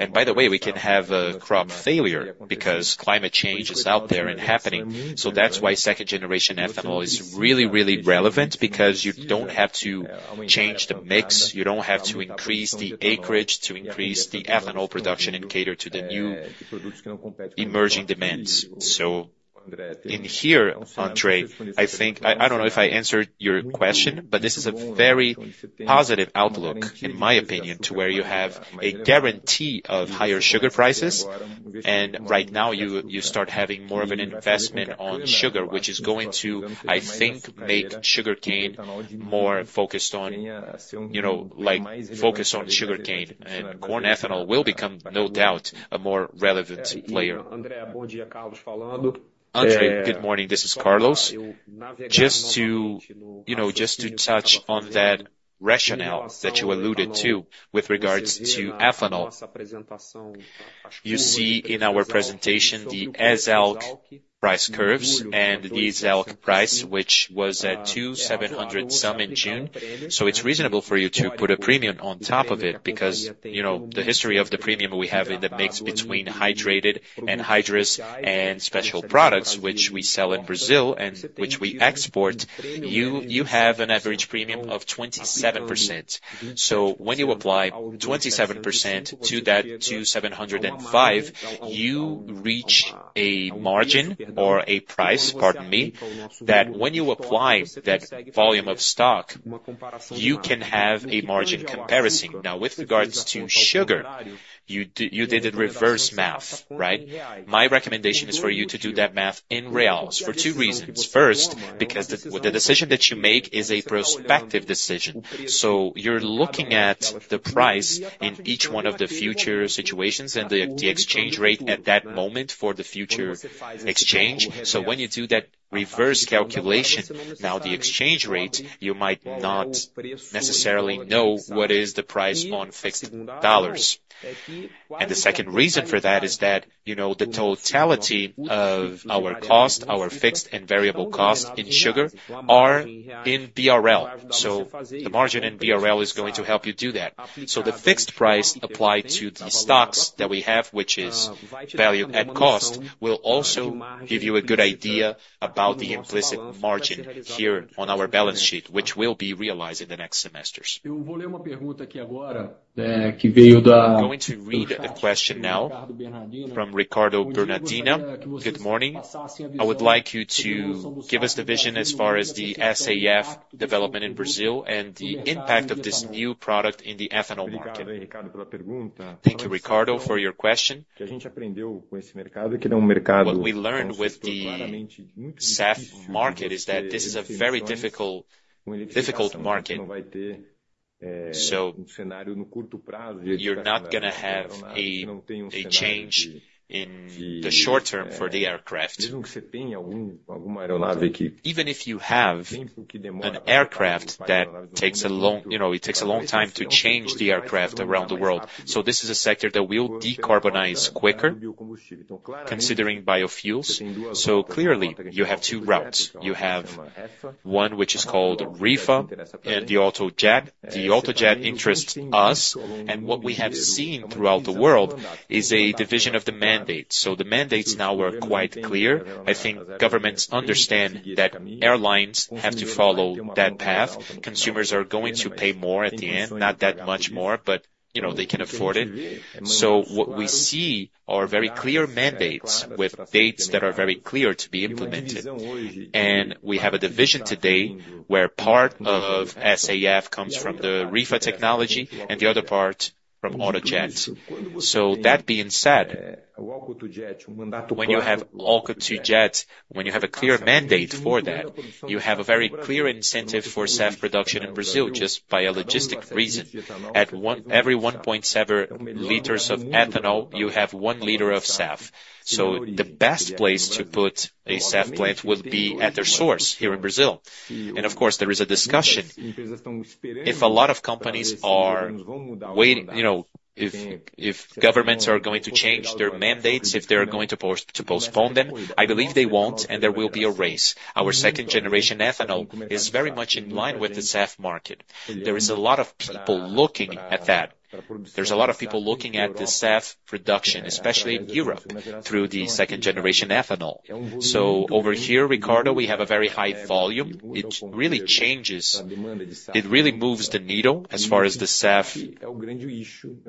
And by the way, we can have a crop failure because climate change is out there and happening, so that's why second generation ethanol is really, really relevant, because you don't have to change the mix, you don't have to increase the acreage to increase the ethanol production and cater to the new emerging demands. So in here, Andrés, I think... I, I don't know if I answered your question, but this is a very positive outlook, in my opinion, to where you have a guarantee of higher sugar prices. And right now, you, you start having more of an investment on sugar, which is going to, I think, make sugarcane more focused on, you know, like focus on sugarcane, and corn ethanol will become, no doubt, a more relevant player. Andrés, good morning, this is Carlos. Just to, you know, just to touch on that rationale that you alluded to with regards to ethanol. You see in our presentation, the ESALQ price curves and the ESALQ price, which was at $2,700 some in June. So it's reasonable for you to put a premium on top of it, because, you know, the history of the premium we have in the mix between hydrated and hydrous and special products, which we sell in Brazil and which we export, you, you have an average premium of 27%. So when you apply 27% to that $2,705, you reach a margin or a price, pardon me, that when you apply that volume of stock, you can have a margin comparison. Now, with regards to sugar, you did a reverse math, right? My recommendation is for you to do that math in reais, for two reasons. First, because the decision that you make is a prospective decision. So you're looking at the price in each one of the future situations and the exchange rate at that moment for the future exchange. So when you do that reverse calculation, now the exchange rate, you might not necessarily know what is the price on fixed dollars. And the second reason for that is that, you know, the totality of our cost, our fixed and variable costs in sugar, are in BRL. So the margin in BRL is going to help you do that. So the fixed price applied to the stocks that we have, which is valued at cost, will also give you a good idea about the implicit margin here on our balance sheet, which will be realized in the next semesters. I'm going to read the question now from Ricardo Bernardino. Good morning. I would like you to give us the vision as far as the SAF development in Brazil and the impact of this new product in the ethanol market. Thank you, Ricardo, for your question. What we learned with the SAF market is that this is a very difficult, difficult market. So you're not gonna have a change in the short term for the aircraft. Even if you have an aircraft that takes a long... You know, it takes a long time to change the aircraft around the world. So this is a sector that will decarbonize quicker, considering biofuels. So clearly, you have two routes. You have one which is called REFA and the AutoJet. The AutoJet interests us, and what we have seen throughout the world is a division of the mandate. So the mandates now are quite clear. I think governments understand that airlines have to follow that path. Consumers are going to pay more at the end, not that much more, but, you know, they can afford it. So what we see are very clear mandates with dates that are very clear to be implemented. And we have a division today where part of SAF comes from the REFA technology and the other part from AutoJets. So that being said, when you have AtJ, when you have a clear mandate for that, you have a very clear incentive for SAF production in Brazil, just by a logistic reason. At every 1.7 liters of ethanol, you have one liter of SAF. So the best place to put a SAF plant would be at their source here in Brazil. And of course, there is a discussion. If a lot of companies are waiting, you know, if governments are going to change their mandates, if they're going to postpone them, I believe they won't, and there will be a race. Our second generation ethanol is very much in line with the SAF market. There is a lot of people looking at that. There's a lot of people looking at the SAF production, especially in Europe, through the second generation ethanol. So over here, Ricardo, we have a very high volume. It really changes. It really moves the needle as far as the SAF.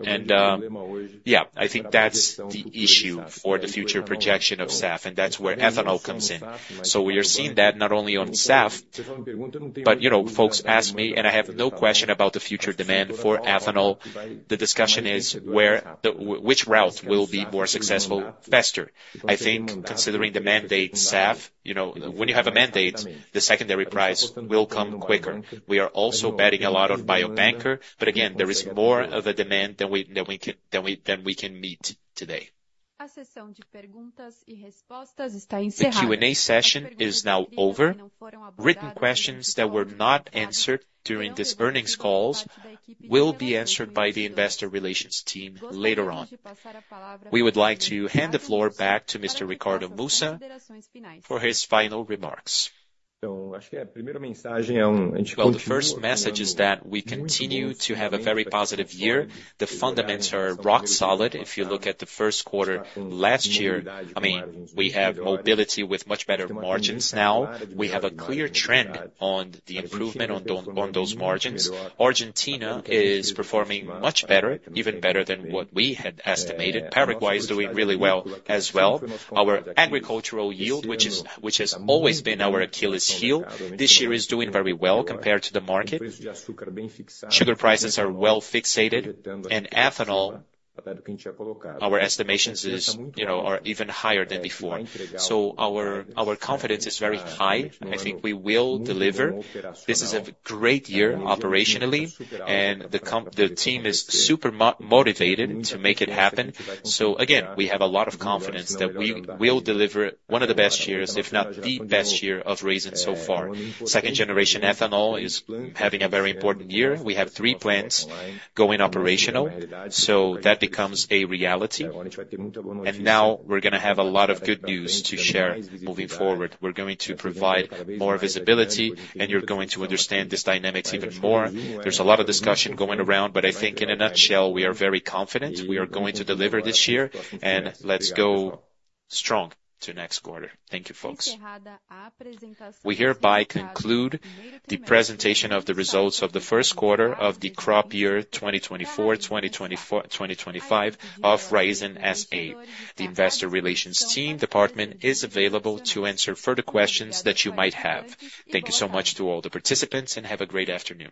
And yeah, I think that's the issue for the future projection of SAF, and that's where ethanol comes in. So we are seeing that not only on SAF, but, you know, folks ask me, and I have no question about the future demand for ethanol. The discussion is where the—which route will be more successful, faster. I think considering the mandate SAF, you know, when you have a mandate, the secondary price will come quicker. We are also betting a lot on biobunker, but again, there is more of a demand than we can meet today. The Q&A session is now over. Written questions that were not answered during this earnings call will be answered by the investor relations team later on. We would like to hand the floor back to Mr. Ricardo Mussa for his final remarks. Well, the first message is that we continue to have a very positive year. The fundamentals are rock solid. If you look at the first quarter last year, I mean, we have mobility with much better margins now. We have a clear trend on the improvement on those margins. Argentina is performing much better, even better than what we had estimated. Paraguay is doing really well as well. Our agricultural yield, which is, which has always been our Achilles heel, this year is doing very well compared to the market. Sugar prices are well fixed, and ethanol, our estimations is, you know, are even higher than before. So our confidence is very high, and I think we will deliver. This is a great year operationally, and the company, the team is super motivated to make it happen. So again, we have a lot of confidence that we will deliver one of the best years, if not the best year of Raízen so far. Second generation ethanol is having a very important year. We have three plants going operational, so that becomes a reality. And now we're gonna have a lot of good news to share moving forward. We're going to provide more visibility, and you're going to understand this dynamics even more. There's a lot of discussion going around, but I think in a nutshell, we are very confident we are going to deliver this year, and let's go strong to next quarter. Thank you, folks. We hereby conclude the presentation of the results of the first quarter of the crop year, 2024, 2024 to 2025 of Raízen S.A. The investor relations team department is available to answer further questions that you might have. Thank you so much to all the participants, and have a great afternoon.